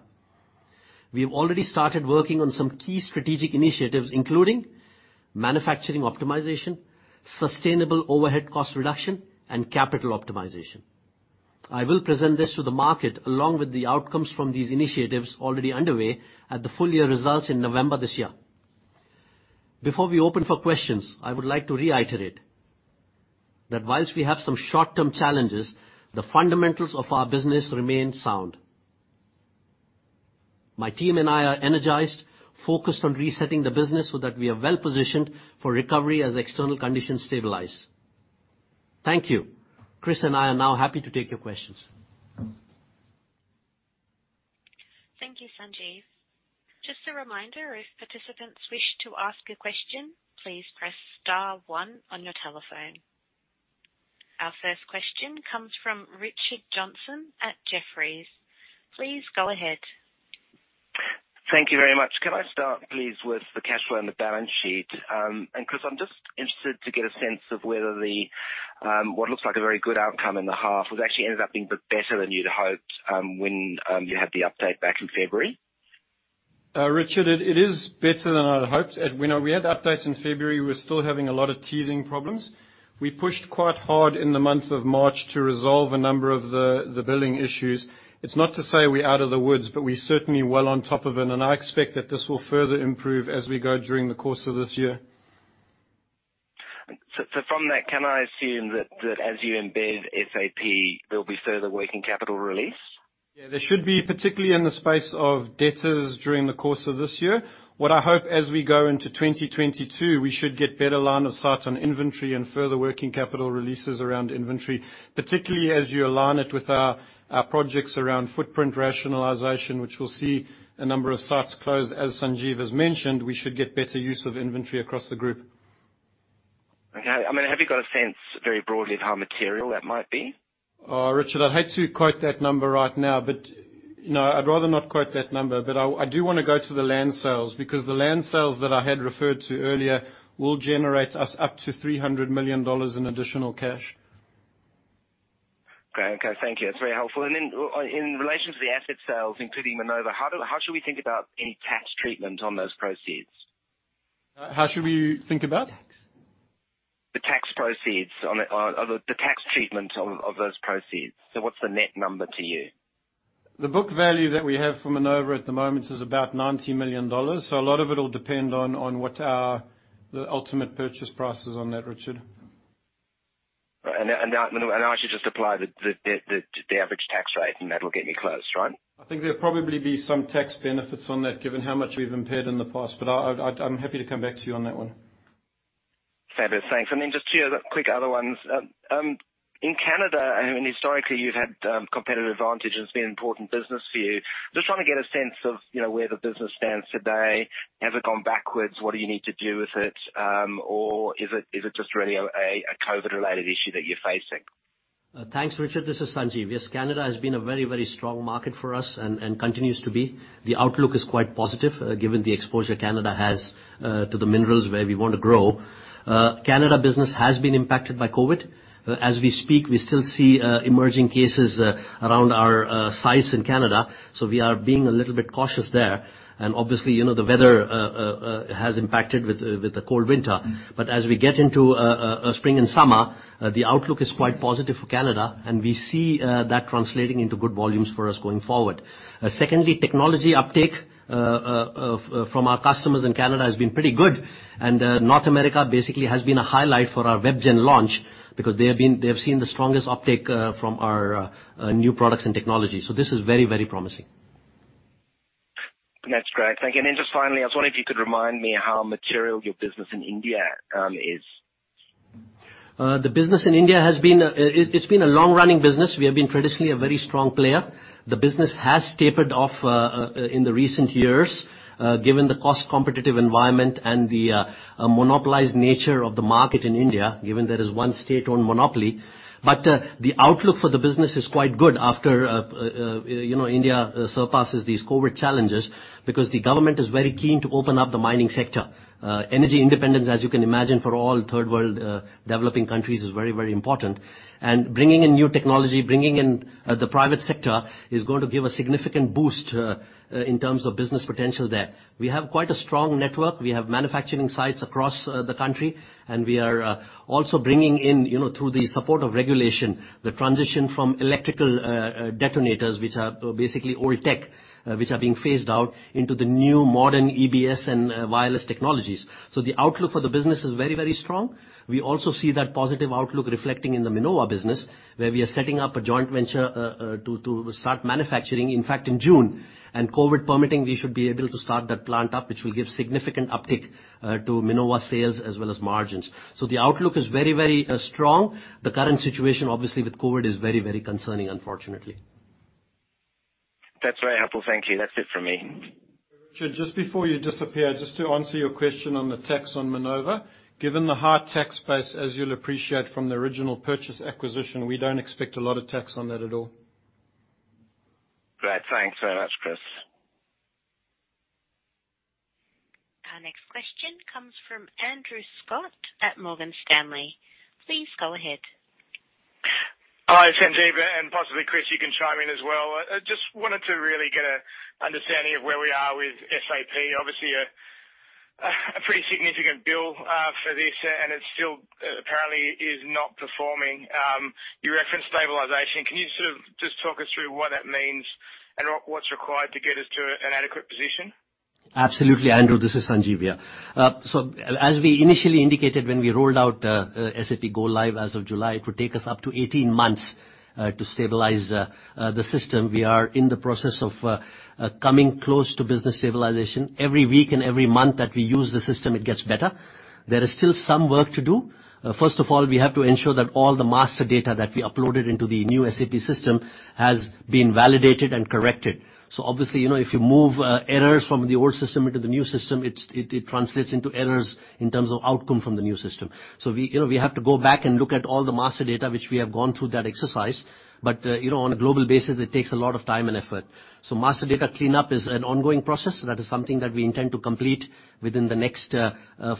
We have already started working on some key strategic initiatives, including manufacturing optimization, sustainable overhead cost reduction, and capital optimization. I will present this to the market along with the outcomes from these initiatives already underway at the full year results in November this year. Before we open for questions, I would like to reiterate that whilst we have some short-term challenges, the fundamentals of our business remain sound. My team and I are energized, focused on resetting the business so that we are well-positioned for recovery as external conditions stabilize. Thank you. Chris and I are now happy to take your questions. Thank you, Sanjeev. Just a reminder, if participants wish to ask a question, please press star one on your telephone. Our first question comes from Richard Johnson at Jefferies. Please go ahead. Thank you very much. Can I start, please, with the cash flow and the balance sheet. Chris, I'm just interested to get a sense of what looks like a very good outcome in the half. It actually ended up being a bit better than you'd hoped, when you had the update back in February. Richard, it is better than I'd hoped. We know we had updates in February. We're still having a lot of teething problems. We pushed quite hard in the month of March to resolve a number of the billing issues. It's not to say we're out of the woods, but we're certainly well on top of it. I expect that this will further improve as we go during the course of this year. Can I assume that as you embed SAP, there'll be further working capital release? Yeah, there should be, particularly in the space of debtors during the course of this year. What I hope as we go into 2022, we should get better line of sight on inventory and further working capital releases around inventory. Particularly, as you align it with our projects around footprint rationalization, which we'll see a number of sites close, as Sanjeev has mentioned, we should get better use of inventory across the group. Okay. Have you got a sense, very broadly, of how material that might be? Richard, I'd hate to quote that number right now. No, I'd rather not quote that number. I do want to go to the land sales, because the land sales that I had referred to earlier will generate us up to AUD 300 million in additional cash. Great. Okay, thank you. That's very helpful. Then in relation to the asset sales, including Minova, how should we think about any tax treatment on those proceeds? How should we think about? The tax treatment of those proceeds. What's the net number to you? The book value that we have for Minova at the moment is about 90 million dollars. A lot of it will depend on what are the ultimate purchase prices on that, Richard. Right. I should just apply the average tax rate and that'll get me close, right? I think there'll probably be some tax benefits on that, given how much we've impaired in the past. I'm happy to come back to you on that one. Fab. Thanks. Just two quick other ones. In Canada, historically, you've had competitive advantage, and it's been an important business for you. Just trying to get a sense of where the business stands today. Has it gone backwards? What do you need to do with it? Is it just really a COVID-related issue that you're facing? Thanks, Richard. This is Sanjeev. Yes, Canada has been a very, very strong market for us and continues to be. The outlook is quite positive given the exposure Canada has to the minerals where we want to grow. Canada business has been impacted by COVID. As we speak, we still see emerging cases around our sites in Canada. We are being a little bit cautious there. Obviously, the weather has impacted with the cold winter. As we get into spring and summer, the outlook is quite positive for Canada, and we see that translating into good volumes for us going forward. Secondly, technology uptick from our customers in Canada has been pretty good. North America basically has been a highlight for our WebGen launch because they have seen the strongest uptick from our new products and technology. This is very, very promising. That's great. Thank you. Just finally, I was wondering if you could remind me how material your business in India is. The business in India, it's been a long-running business. We have been traditionally a very strong player. The business has tapered off in the recent years, given the cost-competitive environment and the monopolized nature of the market in India, given there is one state-owned monopoly. The outlook for the business is quite good after India surpasses these COVID challenges because the government is very keen to open up the mining sector. Energy independence, as you can imagine, for all third world developing countries, is very, very important. Bringing in new technology, bringing in the private sector is going to give a significant boost in terms of business potential there. We have quite a strong network. We have manufacturing sites across the country, we are also bringing in, through the support of regulation, the transition from electrical detonators, which are basically old tech, which are being phased out into the new modern EBS and wireless technologies. The outlook for the business is very, very strong. We also see that positive outlook reflecting in the Minova business, where we are setting up a joint venture to start manufacturing, in fact, in June. COVID permitting, we should be able to start that plant up, which will give significant uptick to Minova sales as well as margins. The outlook is very, very strong. The current situation, obviously with COVID, is very, very concerning, unfortunately. That's very helpful. Thank you. That's it from me. Richard, just before you disappear, just to answer your question on the tax on Minova. Given the high tax base, as you will appreciate from the original purchase acquisition, we do not expect a lot of tax on that at all. Great. Thanks very much, Chris. Our next question comes from Andrew Scott at Morgan Stanley. Please go ahead. Hi, Sanjiv. Possibly Chris, you can chime in as well. I just wanted to really get an understanding of where we are with SAP. Obviously, a pretty significant bill for this, and it still apparently is not performing. You referenced stabilization. Can you sort of just talk us through what that means and what is required to get us to an adequate position? Absolutely, Andrew. This is Sanjeev here. As we initially indicated when we rolled out SAP Go Live as of July, it would take us up to 18 months to stabilize the system. We are in the process of coming close to business stabilization. Every week and every month that we use the system, it gets better. There is still some work to do. First of all, we have to ensure that all the master data that we uploaded into the new SAP system has been validated and corrected. Obviously, if you move errors from the old system into the new system, it translates into errors in terms of outcome from the new system. We have to go back and look at all the master data, which we have gone through that exercise. On a global basis, it takes a lot of time and effort. Master data cleanup is an ongoing process. That is something that we intend to complete within the next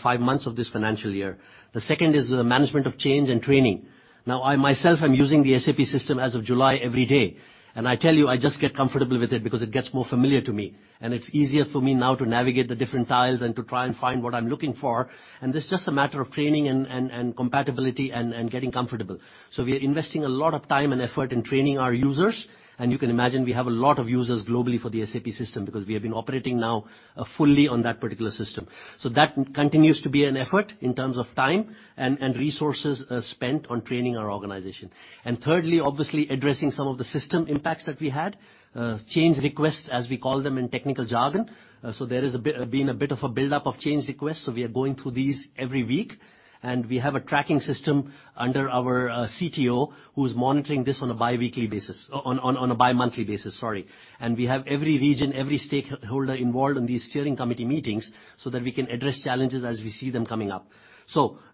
five months of this financial year. The second is management of change and training. I myself am using the SAP system as of July every day, and I tell you, I just get comfortable with it because it gets more familiar to me, and it's easier for me now to navigate the different tiles and to try and find what I'm looking for. It's just a matter of training and compatibility and getting comfortable. We are investing a lot of time and effort in training our users. You can imagine we have a lot of users globally for the SAP system because we have been operating now fully on that particular system. That continues to be an effort in terms of time and resources spent on training our organization. Thirdly, obviously addressing some of the system impacts that we had. Change requests, as we call them in technical jargon. There has been a bit of a buildup of change requests. We are going through these every week, and we have a tracking system under our CTO who's monitoring this on a bi-monthly basis. We have every region, every stakeholder involved in these steering committee meetings so that we can address challenges as we see them coming up.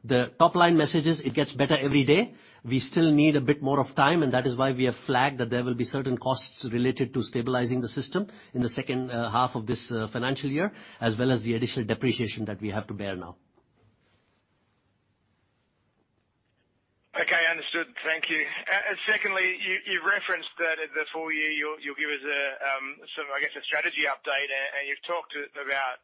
The top-line message is it gets better every day. We still need a bit more of time, that is why we have flagged that there will be certain costs related to stabilizing the system in the second half of this financial year, as well as the additional depreciation that we have to bear now. Okay, understood. Thank you. Secondly, you referenced that in the full year, you'll give us, I guess, a strategy update, and you've talked about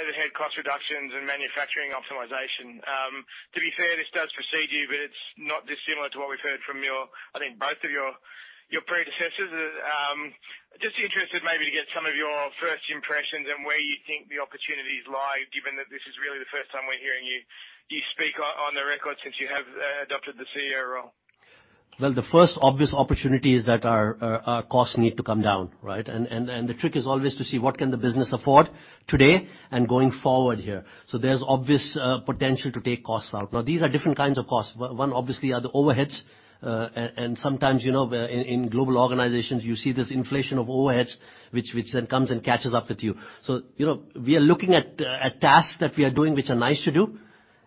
overhead cost reductions and manufacturing optimization. To be fair, this does precede you, but it's not dissimilar to what we've heard from, I think, both of your predecessors. Just interested maybe to get some of your first impressions and where you think the opportunities lie, given that this is really the first time we're hearing you speak on the record since you have adopted the CEO role. Well, the first obvious opportunity is that our costs need to come down, right? The trick is always to see what can the business afford today and going forward here. There's obvious potential to take costs out. These are different kinds of costs. One obviously are the overheads. Sometimes, in global organizations, you see this inflation of overheads, which then comes and catches up with you. We are looking at tasks that we are doing, which are nice to do,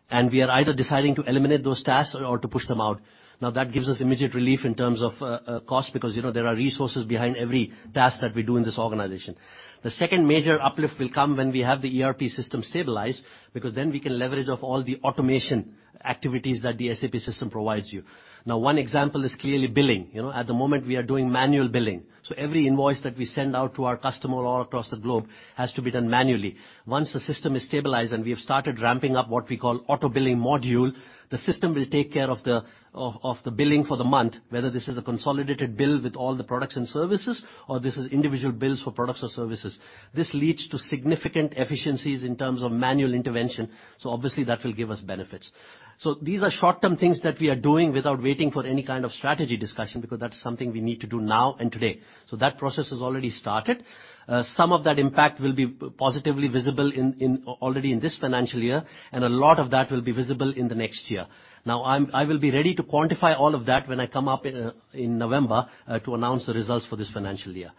and we are either deciding to eliminate those tasks or to push them out. That gives us immediate relief in terms of cost because there are resources behind every task that we do in this organization. The second major uplift will come when we have the ERP system stabilized, because then we can leverage off all the automation activities that the SAP system provides you. One example is clearly billing. At the moment, we are doing manual billing, so every invoice that we send out to our customer all across the globe has to be done manually. Once the system is stabilized and we have started ramping up what we call auto-billing module, the system will take care of the billing for the month, whether this is a consolidated bill with all the products and services, or this is individual bills for products or services. This leads to significant efficiencies in terms of manual intervention. Obviously, that will give us benefits. These are short-term things that we are doing without waiting for any kind of strategy discussion, because that's something we need to do now and today. That process has already started. Some of that impact will be positively visible already in this financial year, and a lot of that will be visible in the next year. I will be ready to quantify all of that when I come up in November to announce the results for this financial year.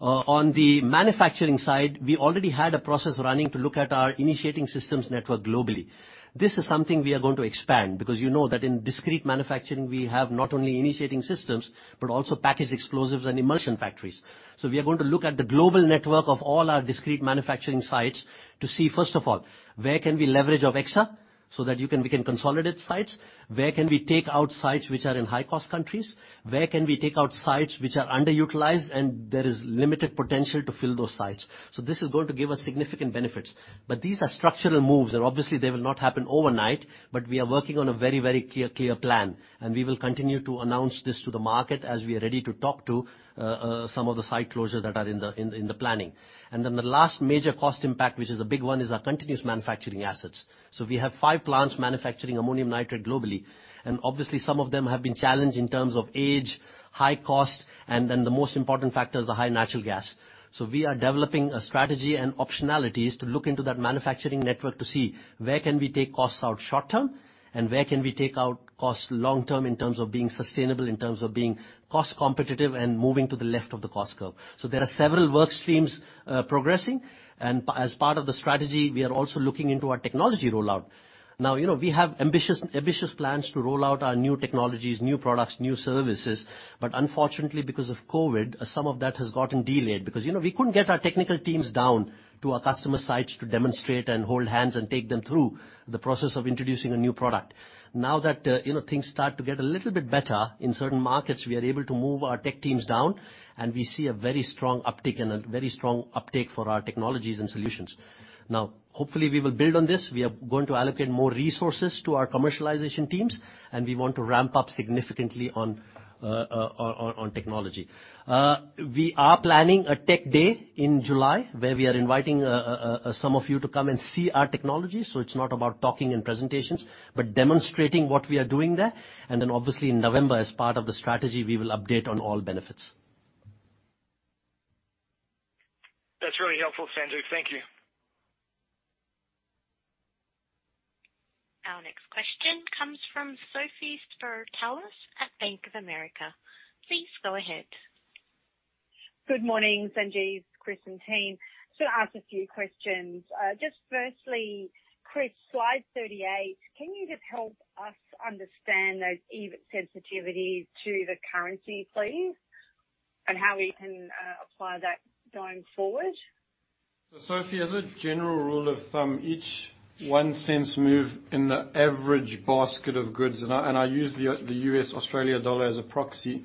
On the manufacturing side, we already had a process running to look at our initiating systems network globally. This is something we are going to expand, because you know that in discrete manufacturing, we have not only initiating systems, but also package explosives and emulsion factories. We are going to look at the global network of all our discrete manufacturing sites to see, first of all, where can we leverage of Exsa so that we can consolidate sites. Where can we take out sites which are in high-cost countries? Where can we take out sites which are underutilized and there is limited potential to fill those sites? This is going to give us significant benefits. These are structural moves, and obviously, they will not happen overnight. We are working on a very clear plan, and we will continue to announce this to the market as we are ready to talk to some of the site closures that are in the planning. The last major cost impact, which is a big one, is our continuous manufacturing assets. We have five plants manufacturing ammonium nitrate globally, and obviously, some of them have been challenged in terms of age, high cost, and then the most important factor is the high natural gas. We are developing a strategy and optionalities to look into that manufacturing network to see where can we take costs out short-term, and where can we take out costs long-term in terms of being sustainable, in terms of being cost-competitive and moving to the left of the cost curve. There are several work streams progressing. As part of the strategy, we are also looking into our technology rollout. We have ambitious plans to roll out our new technologies, new products, new services. Unfortunately, because of COVID, some of that has gotten delayed because we couldn't get our technical teams down to our customer sites to demonstrate and hold hands and take them through the process of introducing a new product. Things start to get a little bit better in certain markets, we are able to move our tech teams down, and we see a very strong uptick and a very strong uptake for our technologies and solutions. Hopefully, we will build on this. We are going to allocate more resources to our commercialization teams, and we want to ramp up significantly on technology. We are planning a tech day in July, where we are inviting some of you to come and see our technology. It's not about talking and presentations, but demonstrating what we are doing there. Obviously in November, as part of the strategy, we will update on all benefits. That's really helpful, Sanjeev. Thank you. Our next question comes from Sophie Spartalis at Bank of America. Please go ahead. Good morning, Sanjeev, Chris, and team. Just to ask a few questions. Just firstly, Chris, slide 38. Can you just help us understand those EBIT sensitivities to the currency, please, and how we can apply that going forward? Sophie, as a general rule of thumb, each 0.01 move in the average basket of goods, and I use the U.S., Australia dollar as a proxy,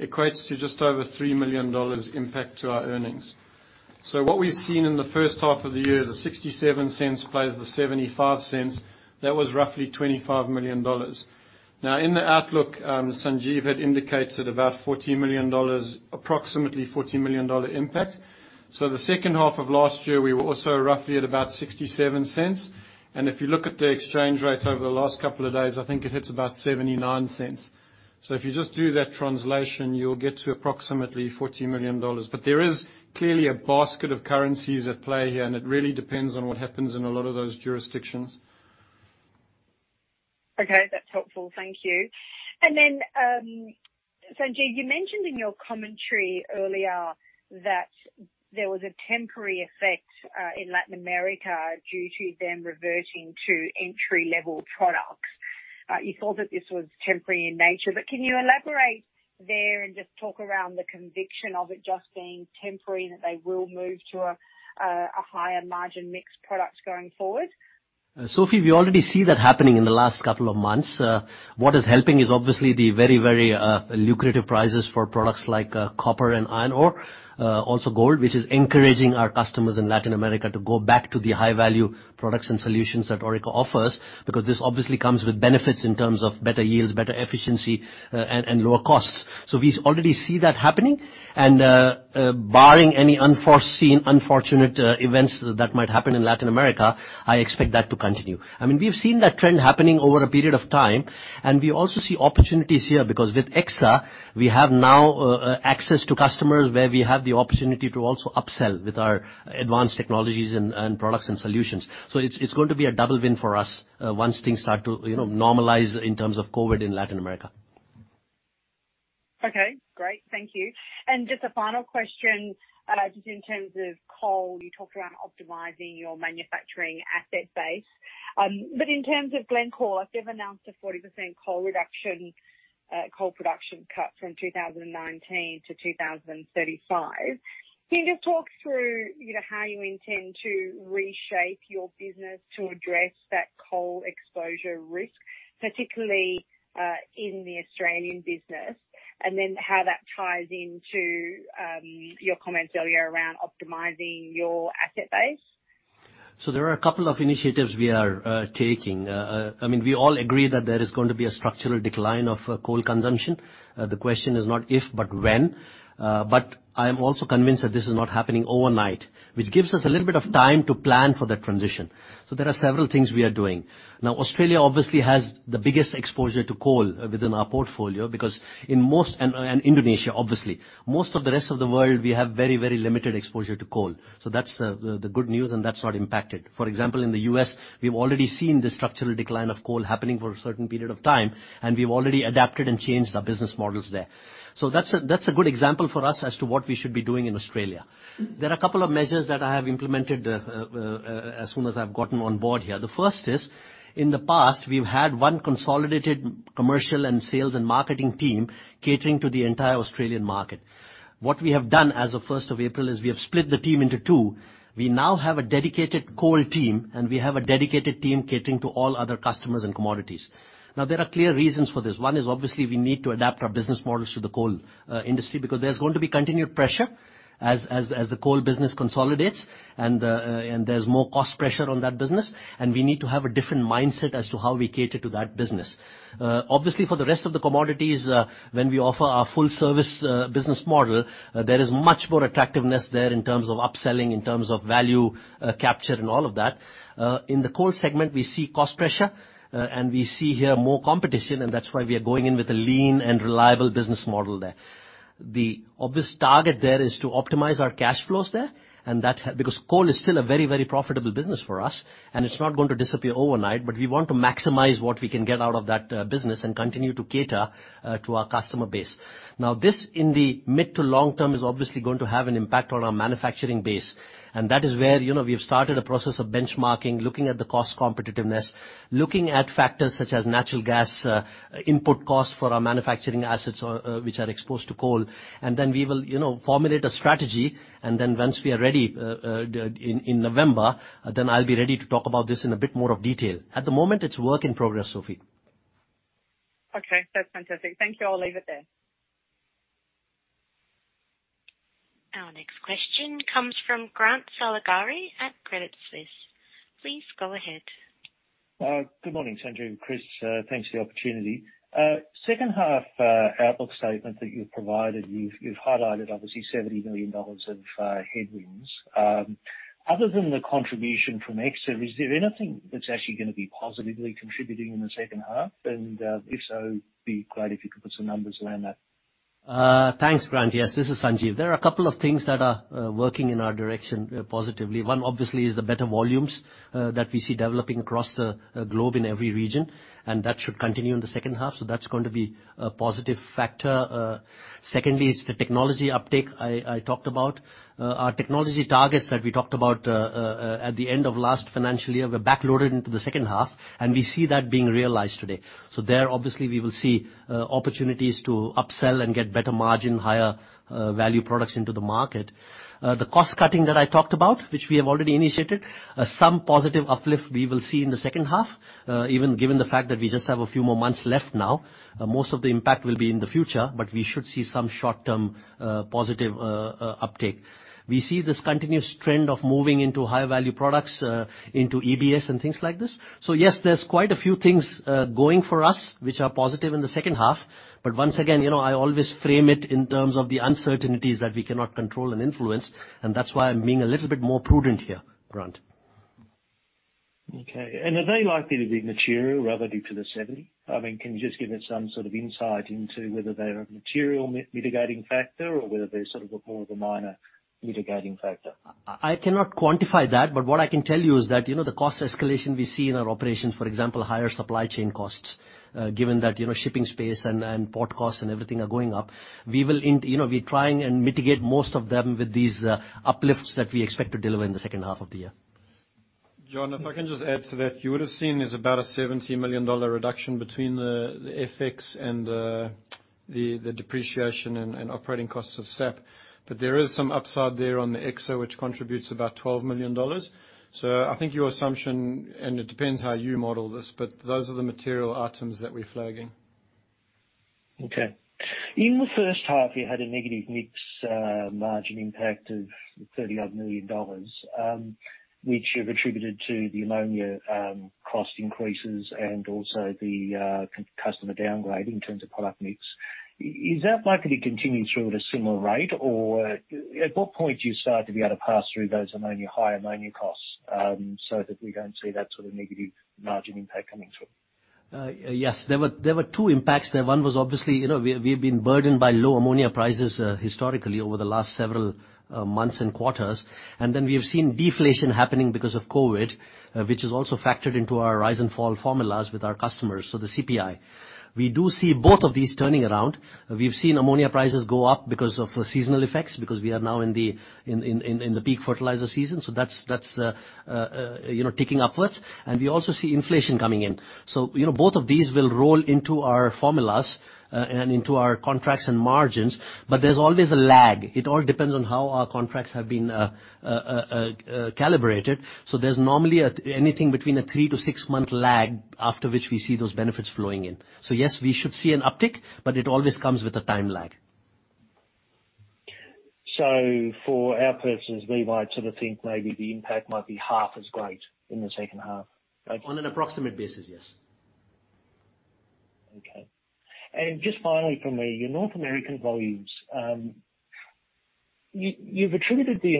equates to just over 3 million dollars impact to our earnings. What we've seen in the first half of the year, the 0.67 plays the 0.75. That was roughly 25 million dollars. Now, in the outlook, Sanjeev had indicated about approximately 40 million dollar impact. The second half of last year, we were also roughly at about 0.67. And if you look at the exchange rate over the last couple of days, I think it hits about 0.79. If you just do that translation, you'll get to approximately 40 million dollars. There is clearly a basket of currencies at play here, and it really depends on what happens in a lot of those jurisdictions. Okay, that's helpful. Thank you. Sanjeev, you mentioned in your commentary earlier that there was a temporary effect in Latin America due to them reverting to entry-level products. You thought that this was temporary in nature, but can you elaborate There and just talk around the conviction of it just being temporary, that they will move to a higher margin mixed product going forward. Sophie, we already see that happening in the last couple of months. What is helping is obviously the very, very lucrative prices for products like copper and iron ore, also gold, which is encouraging our customers in Latin America to go back to the high-value products and solutions that Orica offers because this obviously comes with benefits in terms of better yields, better efficiency, and lower costs. We already see that happening, and barring any unforeseen, unfortunate events that might happen in Latin America, I expect that to continue. We've seen that trend happening over a period of time, and we also see opportunities here because with Exsa, we have now access to customers where we have the opportunity to also upsell with our advanced technologies and products and solutions. It's going to be a double win for us once things start to normalize in terms of COVID in Latin America. Okay, great. Thank you. Just a final question, just in terms of coal, you talked around optimizing your manufacturing asset base. In terms of Glencore, they've announced a 40% coal production cut from 2019 to 2035. Can you just talk through how you intend to reshape your business to address that coal exposure risk, particularly in the Australian business, and then how that ties into your comments earlier around optimizing your asset base? There are a couple of initiatives we are taking. We all agree that there is going to be a structural decline of coal consumption. The question is not if, but when. I am also convinced that this is not happening overnight, which gives us a little bit of time to plan for that transition. There are several things we are doing. Australia obviously has the biggest exposure to coal within our portfolio because in most, and Indonesia, obviously. Most of the rest of the world, we have very, very limited exposure to coal. That's the good news, and that's not impacted. For example, in the U.S., we've already seen this structural decline of coal happening for a certain period of time, and we've already adapted and changed our business models there. That's a good example for us as to what we should be doing in Australia. There are a couple of measures that I have implemented as soon as I've gotten on board here. The first is, in the past, we've had one consolidated commercial and sales and marketing team catering to the entire Australian market. What we have done as of 1st of April is we have split the team into two. We now have a dedicated coal team, and we have a dedicated team catering to all other customers and commodities. There are clear reasons for this. One is obviously we need to adapt our business models to the coal industry because there's going to be continued pressure as the coal business consolidates, and there's more cost pressure on that business, and we need to have a different mindset as to how we cater to that business. Obviously, for the rest of the commodities, when we offer our full service business model, there is much more attractiveness there in terms of upselling, in terms of value capture, and all of that. In the coal segment, we see cost pressure, and we see here more competition, and that's why we are going in with a lean and reliable business model there. The obvious target there is to optimize our cash flows there. Because coal is still a very, very profitable business for us, and it's not going to disappear overnight, but we want to maximize what we can get out of that business and continue to cater to our customer base. This in the mid to long term is obviously going to have an impact on our manufacturing base. That is where we have started a process of benchmarking, looking at the cost competitiveness, looking at factors such as natural gas input costs for our manufacturing assets which are exposed to coal. Then we will formulate a strategy, then once we are ready in November, then I'll be ready to talk about this in a bit more of detail. At the moment, it's work in progress, Sophie. Okay. That's fantastic. Thank you. I'll leave it there. Our next question comes from Grant Saligari at Credit Suisse. Please go ahead. Good morning, Sanjiv and Chris. Thanks for the opportunity. Second half outlook statement that you've provided, you've highlighted obviously 70 million dollars of headwinds. Other than the contribution from Exsa, is there anything that's actually going to be positively contributing in the second half? If so, it'd be great if you could put some numbers around that. Thanks, Grant. Yes. This is Sanjiv. There are a couple of things that are working in our direction positively. One, obviously, is the better volumes that we see developing across the globe in every region, and that should continue in the second half, so that's going to be a positive factor. Secondly is the technology uptake I talked about. Our technology targets that we talked about at the end of last financial year were back-loaded into the second half, and we see that being realized today. There, obviously, we will see opportunities to upsell and get better margin, higher value products into the market. The cost-cutting that I talked about, which we have already initiated, some positive uplift we will see in the second half. Even given the fact that we just have a few more months left now, most of the impact will be in the future, but we should see some short-term positive uptake. We see this continuous trend of moving into higher value products, into EBS and things like this. Yes, there's quite a few things going for us which are positive in the second half. Once again, I always frame it in terms of the uncertainties that we cannot control and influence, and that's why I'm being a little bit more prudent here, Grant. Okay. Are they likely to be material relative to the 70? Can you just give us some sort of insight into whether they're a material mitigating factor or whether they're sort of more of a minor mitigating factor? I cannot quantify that. What I can tell you is that the cost escalation we see in our operations, for example, higher supply chain costs, given that shipping space and port costs and everything are going up. We're trying and mitigate most of them with these uplifts that we expect to deliver in the second half of the year. Grant, if I can just add to that. You would've seen there's about a 70 million dollar reduction between the FX and the depreciation and operating costs of SAP. There is some upside there on the Exsa, which contributes about 12 million dollars. I think your assumption, and it depends how you model this, those are the material items that we're flagging. Okay. In the first half, you had a negative mix margin impact of 30 odd million, which you've attributed to the ammonia cost increases and also the customer downgrade in terms of product mix. Is that likely to continue through at a similar rate, or at what point do you start to be able to pass through those higher ammonia costs, so that we don't see that sort of negative margin impact coming through? Yes. There were two impacts there. One was obviously, we have been burdened by low ammonia prices historically over the last several months and quarters. Then we have seen deflation happening because of COVID, which is also factored into our rise and fall formulas with our customers, so the CPI. We do see both of these turning around. We've seen ammonia prices go up because of seasonal effects, because we are now in the peak fertilizer season. That's ticking upwards. We also see inflation coming in. Both of these will roll into our formulas and into our contracts and margins, but there's always a lag. It all depends on how our contracts have been calibrated. There's normally anything between a three to six-month lag, after which we see those benefits flowing in. Yes, we should see an uptick, but it always comes with a time lag. For our purposes, we might sort of think maybe the impact might be half as great in the second half. On an approximate basis, yes. Okay. Just finally from me, your North American volumes. You've attributed the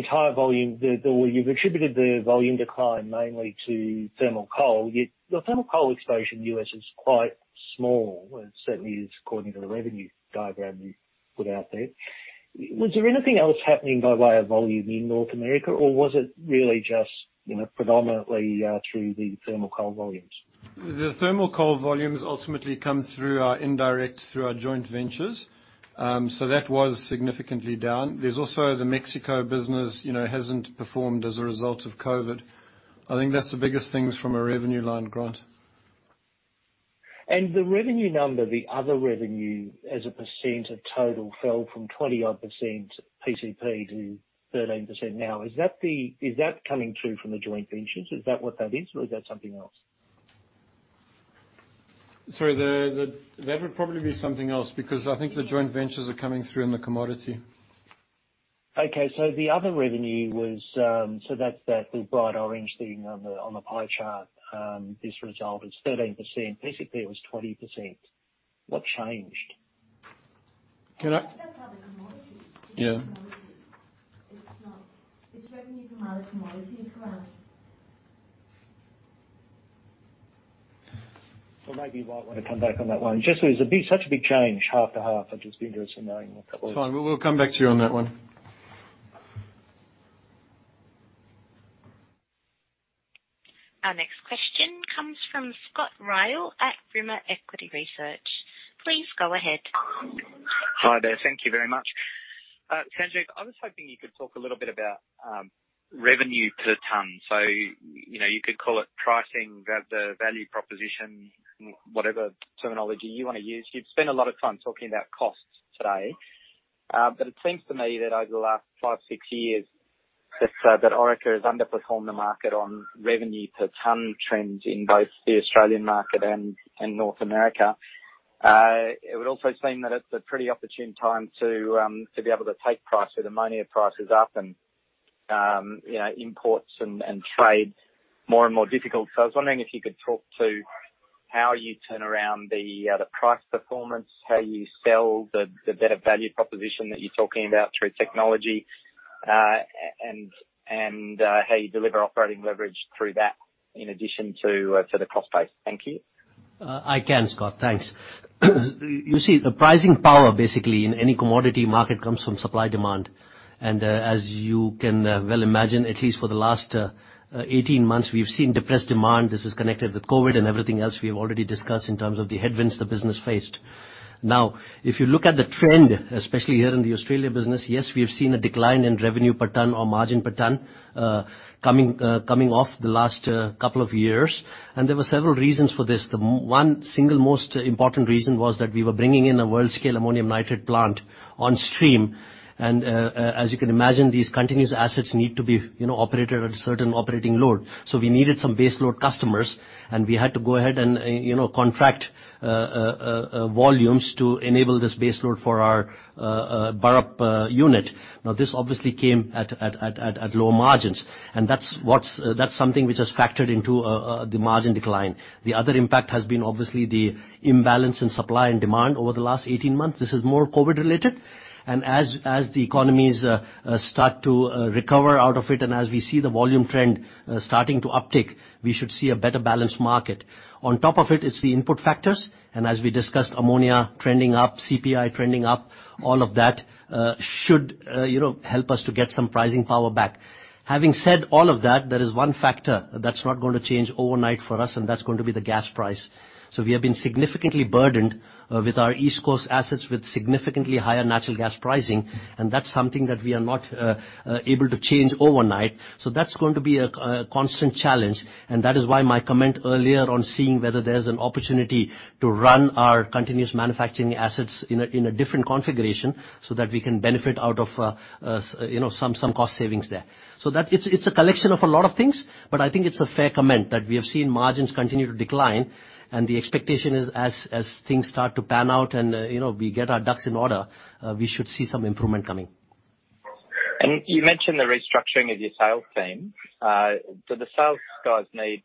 volume decline mainly to thermal coal, yet your thermal coal exposure in the U.S. is quite small, certainly according to the revenue diagram you put out there. Was there anything else happening by way of volume in North America, or was it really just predominantly through the thermal coal volumes? The thermal coal volumes ultimately come through our indirect, through our joint ventures. That was significantly down. There's also the Mexico business, hasn't performed as a result of COVID. I think that's the biggest things from a revenue line, Grant. The revenue number, the other revenue as a percent of total fell from 20 odd % PCP to 13% now. Is that coming through from the joint ventures? Is that what that is, or is that something else? Sorry, that would probably be something else, because I think the joint ventures are coming through in the commodity. Okay, the other revenue, that's the bright orange thing on the pie chart. This result is 13%. Basically, it was 20%. What changed? Can I- That's under commodities. Yeah. It's revenue from other commodities, Grant. Maybe you might want to come back on that one. Just so there's such a big change half to half. I'd just be interested knowing a couple of- It's fine. We'll come back to you on that one. Our next question comes from Scott Ryle at Brimmer Equity Research. Please go ahead. Hi there. Thank you very much. Sanjeev, I was hoping you could talk a little bit about revenue per ton. You could call it pricing, the value proposition, whatever terminology you want to use. You've spent a lot of time talking about costs today. It seems to me that over the last five, six years, that Orica has underperformed the market on revenue per ton trends in both the Australian market and in North America. It would also seem that it's a pretty opportune time to be able to take price with ammonia prices up and imports and trade more and more difficult. I was wondering if you could talk to how you turn around the price performance, how you sell the better value proposition that you're talking about through technology, and how you deliver operating leverage through that in addition to the cost base. Thank you. I can, Scott. Thanks. You see, the pricing power basically in any commodity market comes from supply-demand. As you can well imagine, at least for the last 18 months, we've seen depressed demand. This is connected with COVID and everything else we have already discussed in terms of the headwinds the business faced. If you look at the trend, especially here in the Australia business, yes, we have seen a decline in revenue per ton or margin per ton coming off the last couple of years. There were several reasons for this. The one single most important reason was that we were bringing in a world-scale ammonium nitrate plant on stream. As you can imagine, these continuous assets need to be operated at a certain operating load. We needed some base load customers, and we had to go ahead and contract volumes to enable this base load for our Burrup unit. This obviously came at low margins. That's something which has factored into the margin decline. The other impact has been obviously the imbalance in supply and demand over the last 18 months. This is more COVID related. As the economies start to recover out of it, as we see the volume trend starting to uptick, we should see a better balanced market. On top of it's the input factors. As we discussed, ammonia trending up, CPI trending up, all of that should help us to get some pricing power back. Having said all of that, there is one factor that's not going to change overnight for us, that's going to be the gas price. We have been significantly burdened with our East Coast assets with significantly higher natural gas pricing, that's something that we are not able to change overnight. That's going to be a constant challenge, that is why my comment earlier on seeing whether there's an opportunity to run our continuous manufacturing assets in a different configuration so that we can benefit out of some cost savings there. It's a collection of a lot of things, I think it's a fair comment that we have seen margins continue to decline, the expectation is as things start to pan out and we get our ducks in order, we should see some improvement coming. You mentioned the restructuring of your sales team. Do the sales guys need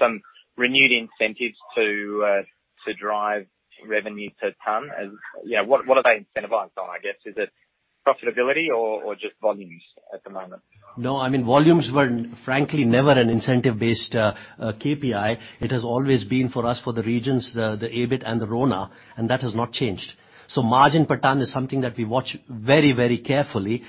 some renewed incentives to drive revenue per ton? What are they incentivized on, I guess? Is it profitability or just volumes at the moment? Volumes were frankly never an incentive-based KPI. It has always been for us, for the regions, the EBIT and the RONA, and that has not changed. Margin per ton is something that we watch very carefully.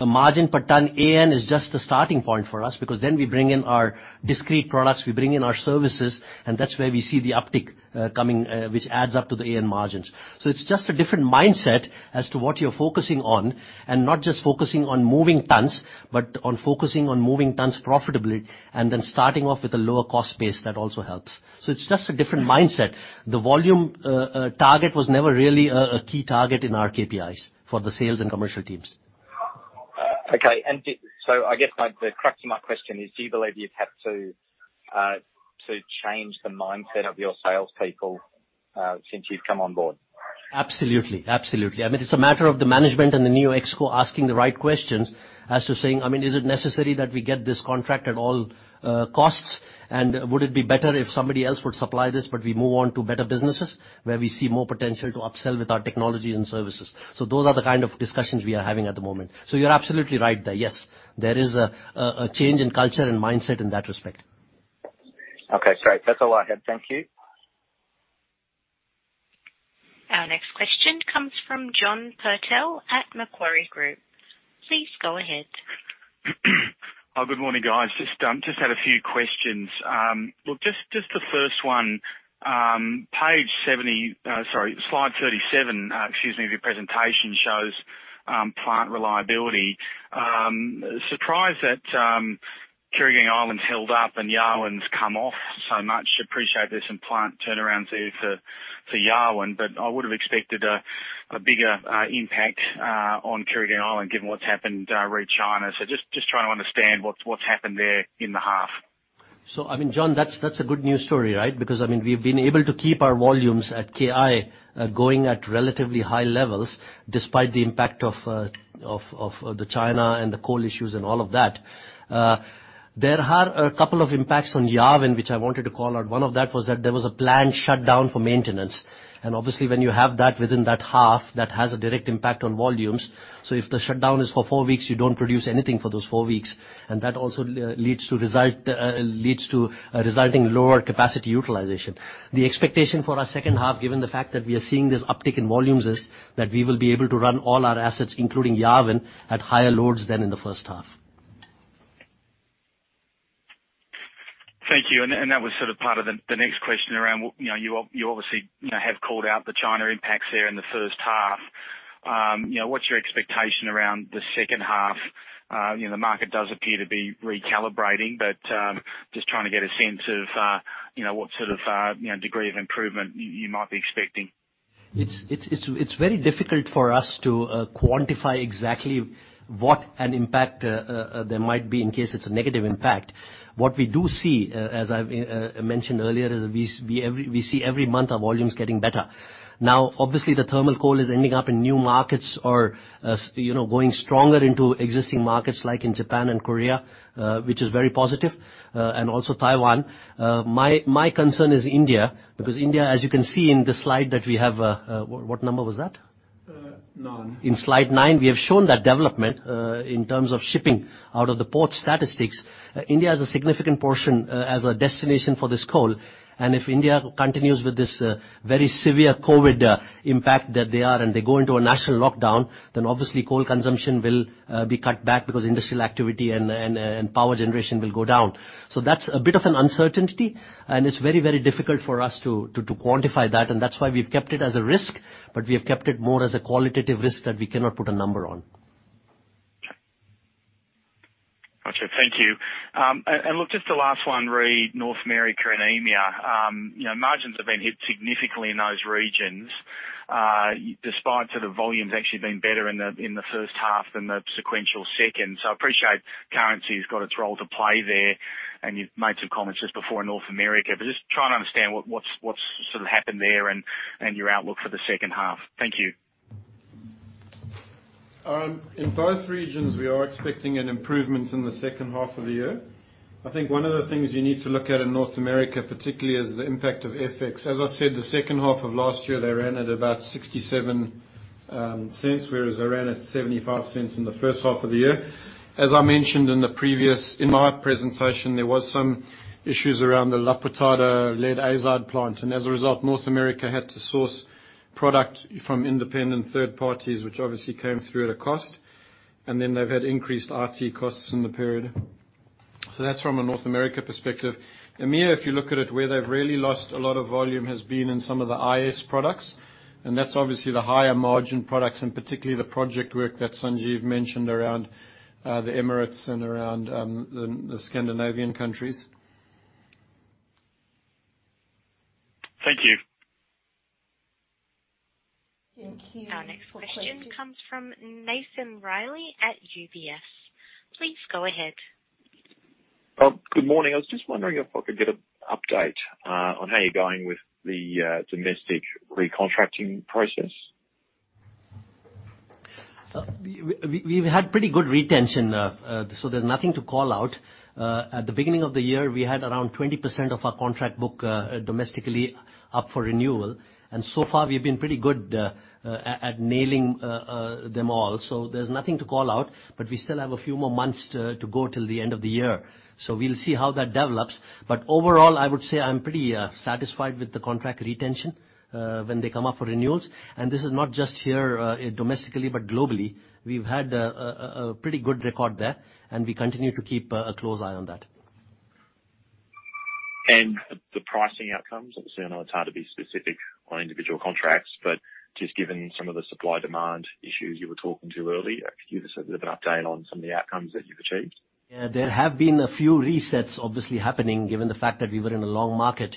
A margin per ton AN is just the starting point for us because then we bring in our discrete products, we bring in our services, and that's where we see the uptick coming, which adds up to the AN margins. It's just a different mindset as to what you're focusing on and not just focusing on moving tons, but on focusing on moving tons profitably and then starting off with a lower cost base that also helps. It's just a different mindset. The volume target was never really a key target in our KPIs for the sales and commercial teams. Okay. I guess the crux of my question is, do you believe you've had to change the mindset of your salespeople since you've come on board? Absolutely. It's a matter of the management and the new ExCo asking the right questions as to saying, is it necessary that we get this contract at all costs and would it be better if somebody else would supply this, but we move on to better businesses where we see more potential to upsell with our technologies and services. Those are the kind of discussions we are having at the moment. You're absolutely right there. Yes, there is a change in culture and mindset in that respect. Okay, great. That's all I had. Thank you. Our next question comes from John Purtell at Macquarie Group. Please go ahead. Good morning, guys. Just had a few questions. Look, just the first one. Slide 37 of your presentation shows plant reliability. Surprised that Kooragang Island's held up and Yarwun's come off so much. Appreciate there's some plant turnarounds there for Yarwun, but I would have expected a bigger impact on Kooragang Island given what's happened re China. Just trying to understand what's happened there in the half. John, that's a good news story, right? Because we've been able to keep our volumes at KI going at relatively high levels despite the impact of the China and the coal issues and all of that. There are a couple of impacts on Yarwun, which I wanted to call out. One of that was that there was a planned shutdown for maintenance. Obviously when you have that within that half, that has a direct impact on volumes. If the shutdown is for four weeks, you don't produce anything for those four weeks, and that also leads to resulting lower capacity utilization. The expectation for our second half, given the fact that we are seeing this uptick in volumes, is that we will be able to run all our assets, including Yarwun, at higher loads than in the first half. Thank you. That was sort of part of the next question around, you obviously have called out the China impacts there in the first half. What's your expectation around the second half? The market does appear to be recalibrating, just trying to get a sense of what sort of degree of improvement you might be expecting. It's very difficult for us to quantify exactly what an impact there might be in case it's a negative impact. We do see, as I mentioned earlier, we see every month our volumes getting better. Obviously, the thermal coal is ending up in new markets or going stronger into existing markets like in Japan and Korea, which is very positive, and also Taiwan. My concern is India because India, as you can see in the slide that we have. What number was that? Nine. In slide nine, we have shown that development, in terms of shipping out of the port statistics. India has a significant portion as a destination for this coal. If India continues with this very severe COVID impact that they are and they go into a national lockdown, then obviously coal consumption will be cut back because industrial activity and power generation will go down. That's a bit of an uncertainty, and it's very difficult for us to quantify that, and that's why we've kept it as a risk, but we have kept it more as a qualitative risk that we cannot put a number on. Got you. Thank you. Look, just the last one, re North America and EMEA. Margins have been hit significantly in those regions, despite sort of volumes actually being better in the first half than the sequential second. I appreciate currency has got its role to play there, and you've made some comments just before on North America, just trying to understand what's sort of happened there and your outlook for the second half. Thank you. In both regions, we are expecting an improvement in the second half of the year. I think one of the things you need to look at in North America particularly is the impact of FX. As I said, the second half of last year, they ran at about 0.67, whereas they ran at 0.75 in the first half of the year. As I mentioned in my presentation, there was some issues around the La Pintada lead azide plant, and as a result, North America had to source product from independent third parties, which obviously came through at a cost. Then they've had increased RT costs in the period. That's from a North America perspective. EMEA, if you look at it, where they've really lost a lot of volume has been in some of the IS products, That's obviously the higher margin products and particularly the project work that Sanjeev mentioned around the Emirates and around the Scandinavian countries. Thank you. Thank you. Our next question comes from Nathan Reilly at UBS. Please go ahead. Good morning. I was just wondering if I could get an update on how you're going with the domestic recontracting process. We've had pretty good retention, so there's nothing to call out. At the beginning of the year, we had around 20% of our contract book domestically up for renewal. So far, we've been pretty good at nailing them all. There's nothing to call out, but we still have a few more months to go till the end of the year. We'll see how that develops. Overall, I would say I'm pretty satisfied with the contract retention, when they come up for renewals. This is not just here domestically, but globally. We've had a pretty good record there, and we continue to keep a close eye on that. The pricing outcomes, obviously, I know it's hard to be specific on individual contracts, but just given some of the supply-demand issues you were talking to earlier, could you just give us a bit of an update on some of the outcomes that you've achieved? Yeah. There have been a few resets obviously happening given the fact that we were in a long market.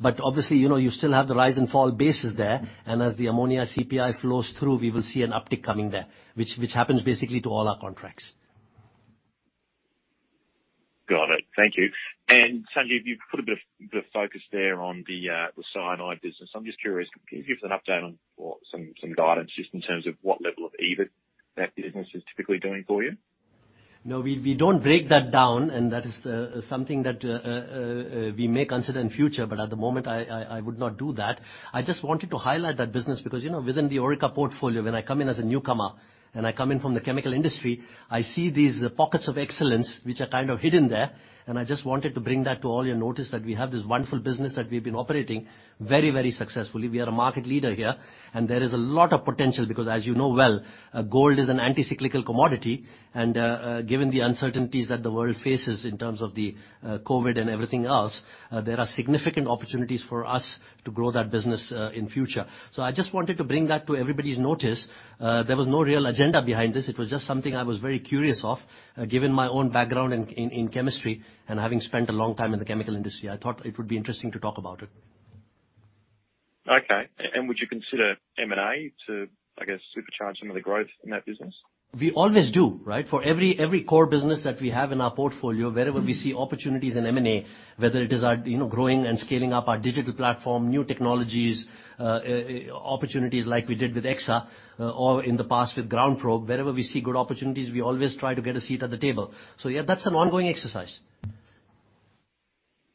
Obviously, you still have the rise and fall bases there, and as the ammonia CPI flows through, we will see an uptick coming there, which happens basically to all our contracts. Got it. Thank you. Sanjeev, you put a bit of focus there on the cyanide business. I'm just curious, can you give us an update on or some guidance just in terms of what level of EBIT that business is typically doing for you? No, we don't break that down, that is something that we may consider in future. At the moment, I would not do that. I just wanted to highlight that business because, within the Orica portfolio, when I come in as a newcomer and I come in from the chemical industry, I see these pockets of excellence which are kind of hidden there. I just wanted to bring that to all your notice that we have this wonderful business that we've been operating very, very successfully. We are a market leader here, and there is a lot of potential because as you know well, gold is an anti-cyclical commodity, and given the uncertainties that the world faces in terms of the COVID and everything else, there are significant opportunities for us to grow that business in future. I just wanted to bring that to everybody's notice. There was no real agenda behind this. It was just something I was very curious of. Given my own background in chemistry and having spent a long time in the chemical industry, I thought it would be interesting to talk about it. Okay. Would you consider M&A to, I guess, supercharge some of the growth in that business? We always do, right? For every core business that we have in our portfolio, wherever we see opportunities in M&A, whether it is growing and scaling up our digital platform, new technologies, opportunities like we did with Exsa, or in the past with GroundProbe. Wherever we see good opportunities, we always try to get a seat at the table. Yeah, that's an ongoing exercise.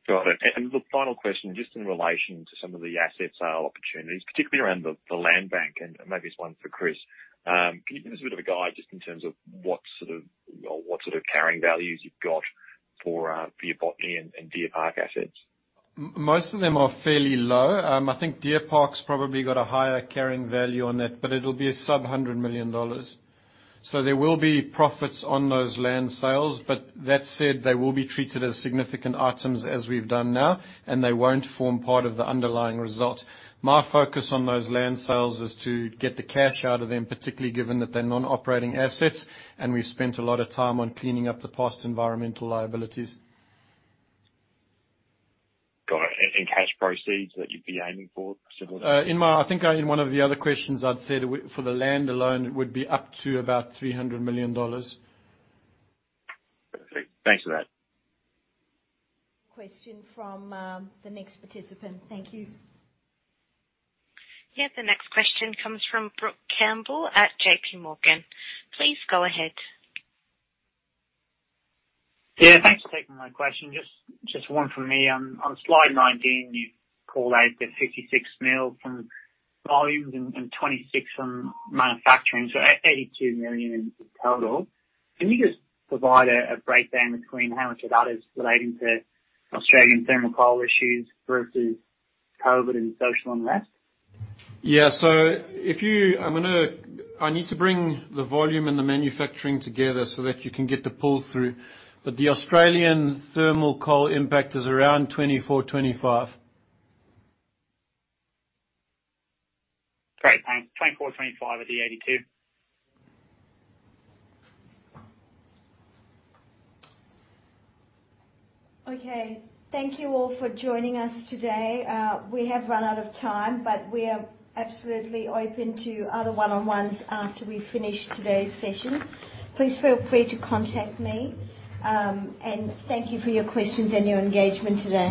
Got it. The final question, just in relation to some of the asset sale opportunities, particularly around the Landbank, and maybe this one's for Chris. Can you give us a bit of a guide just in terms of what sort of carrying values you've got for your Botany and Deer Park assets? Most of them are fairly low. I think Deer Park's probably got a higher carrying value on that, but it'll be a sub-AUD 100 million. There will be profits on those land sales, but that said, they will be treated as significant items as we've done now, and they won't form part of the underlying result. My focus on those land sales is to get the cash out of them, particularly given that they're non-operating assets, and we've spent a lot of time on cleaning up the past environmental liabilities. Got it. Any cash proceeds that you'd be aiming for? In my I think in one of the other questions, I'd said for the land alone, it would be up to about 300 million dollars. Perfect. Thanks for that. Question from the next participant. Thank you. The next question comes from Brooke Campbell at JP Morgan. Please go ahead. Yeah, thanks for taking my question. Just one from me. On slide 19, you called out the 56 million from volumes and 26 million from manufacturing, so 82 million in total. Can you just provide a breakdown between how much of that is relating to Australian thermal coal issues versus COVID and social unrest? Yeah. I need to bring the volume and the manufacturing together so that you can get the pull-through. The Australian thermal coal impact is around 24 million-25 million. Great, thanks. 24 million-25 million of the 82 million. Okay. Thank you all for joining us today. We have run out of time, we are absolutely open to other one-on-ones after we finish today's session. Please feel free to contact me, and thank you for your questions and your engagement today.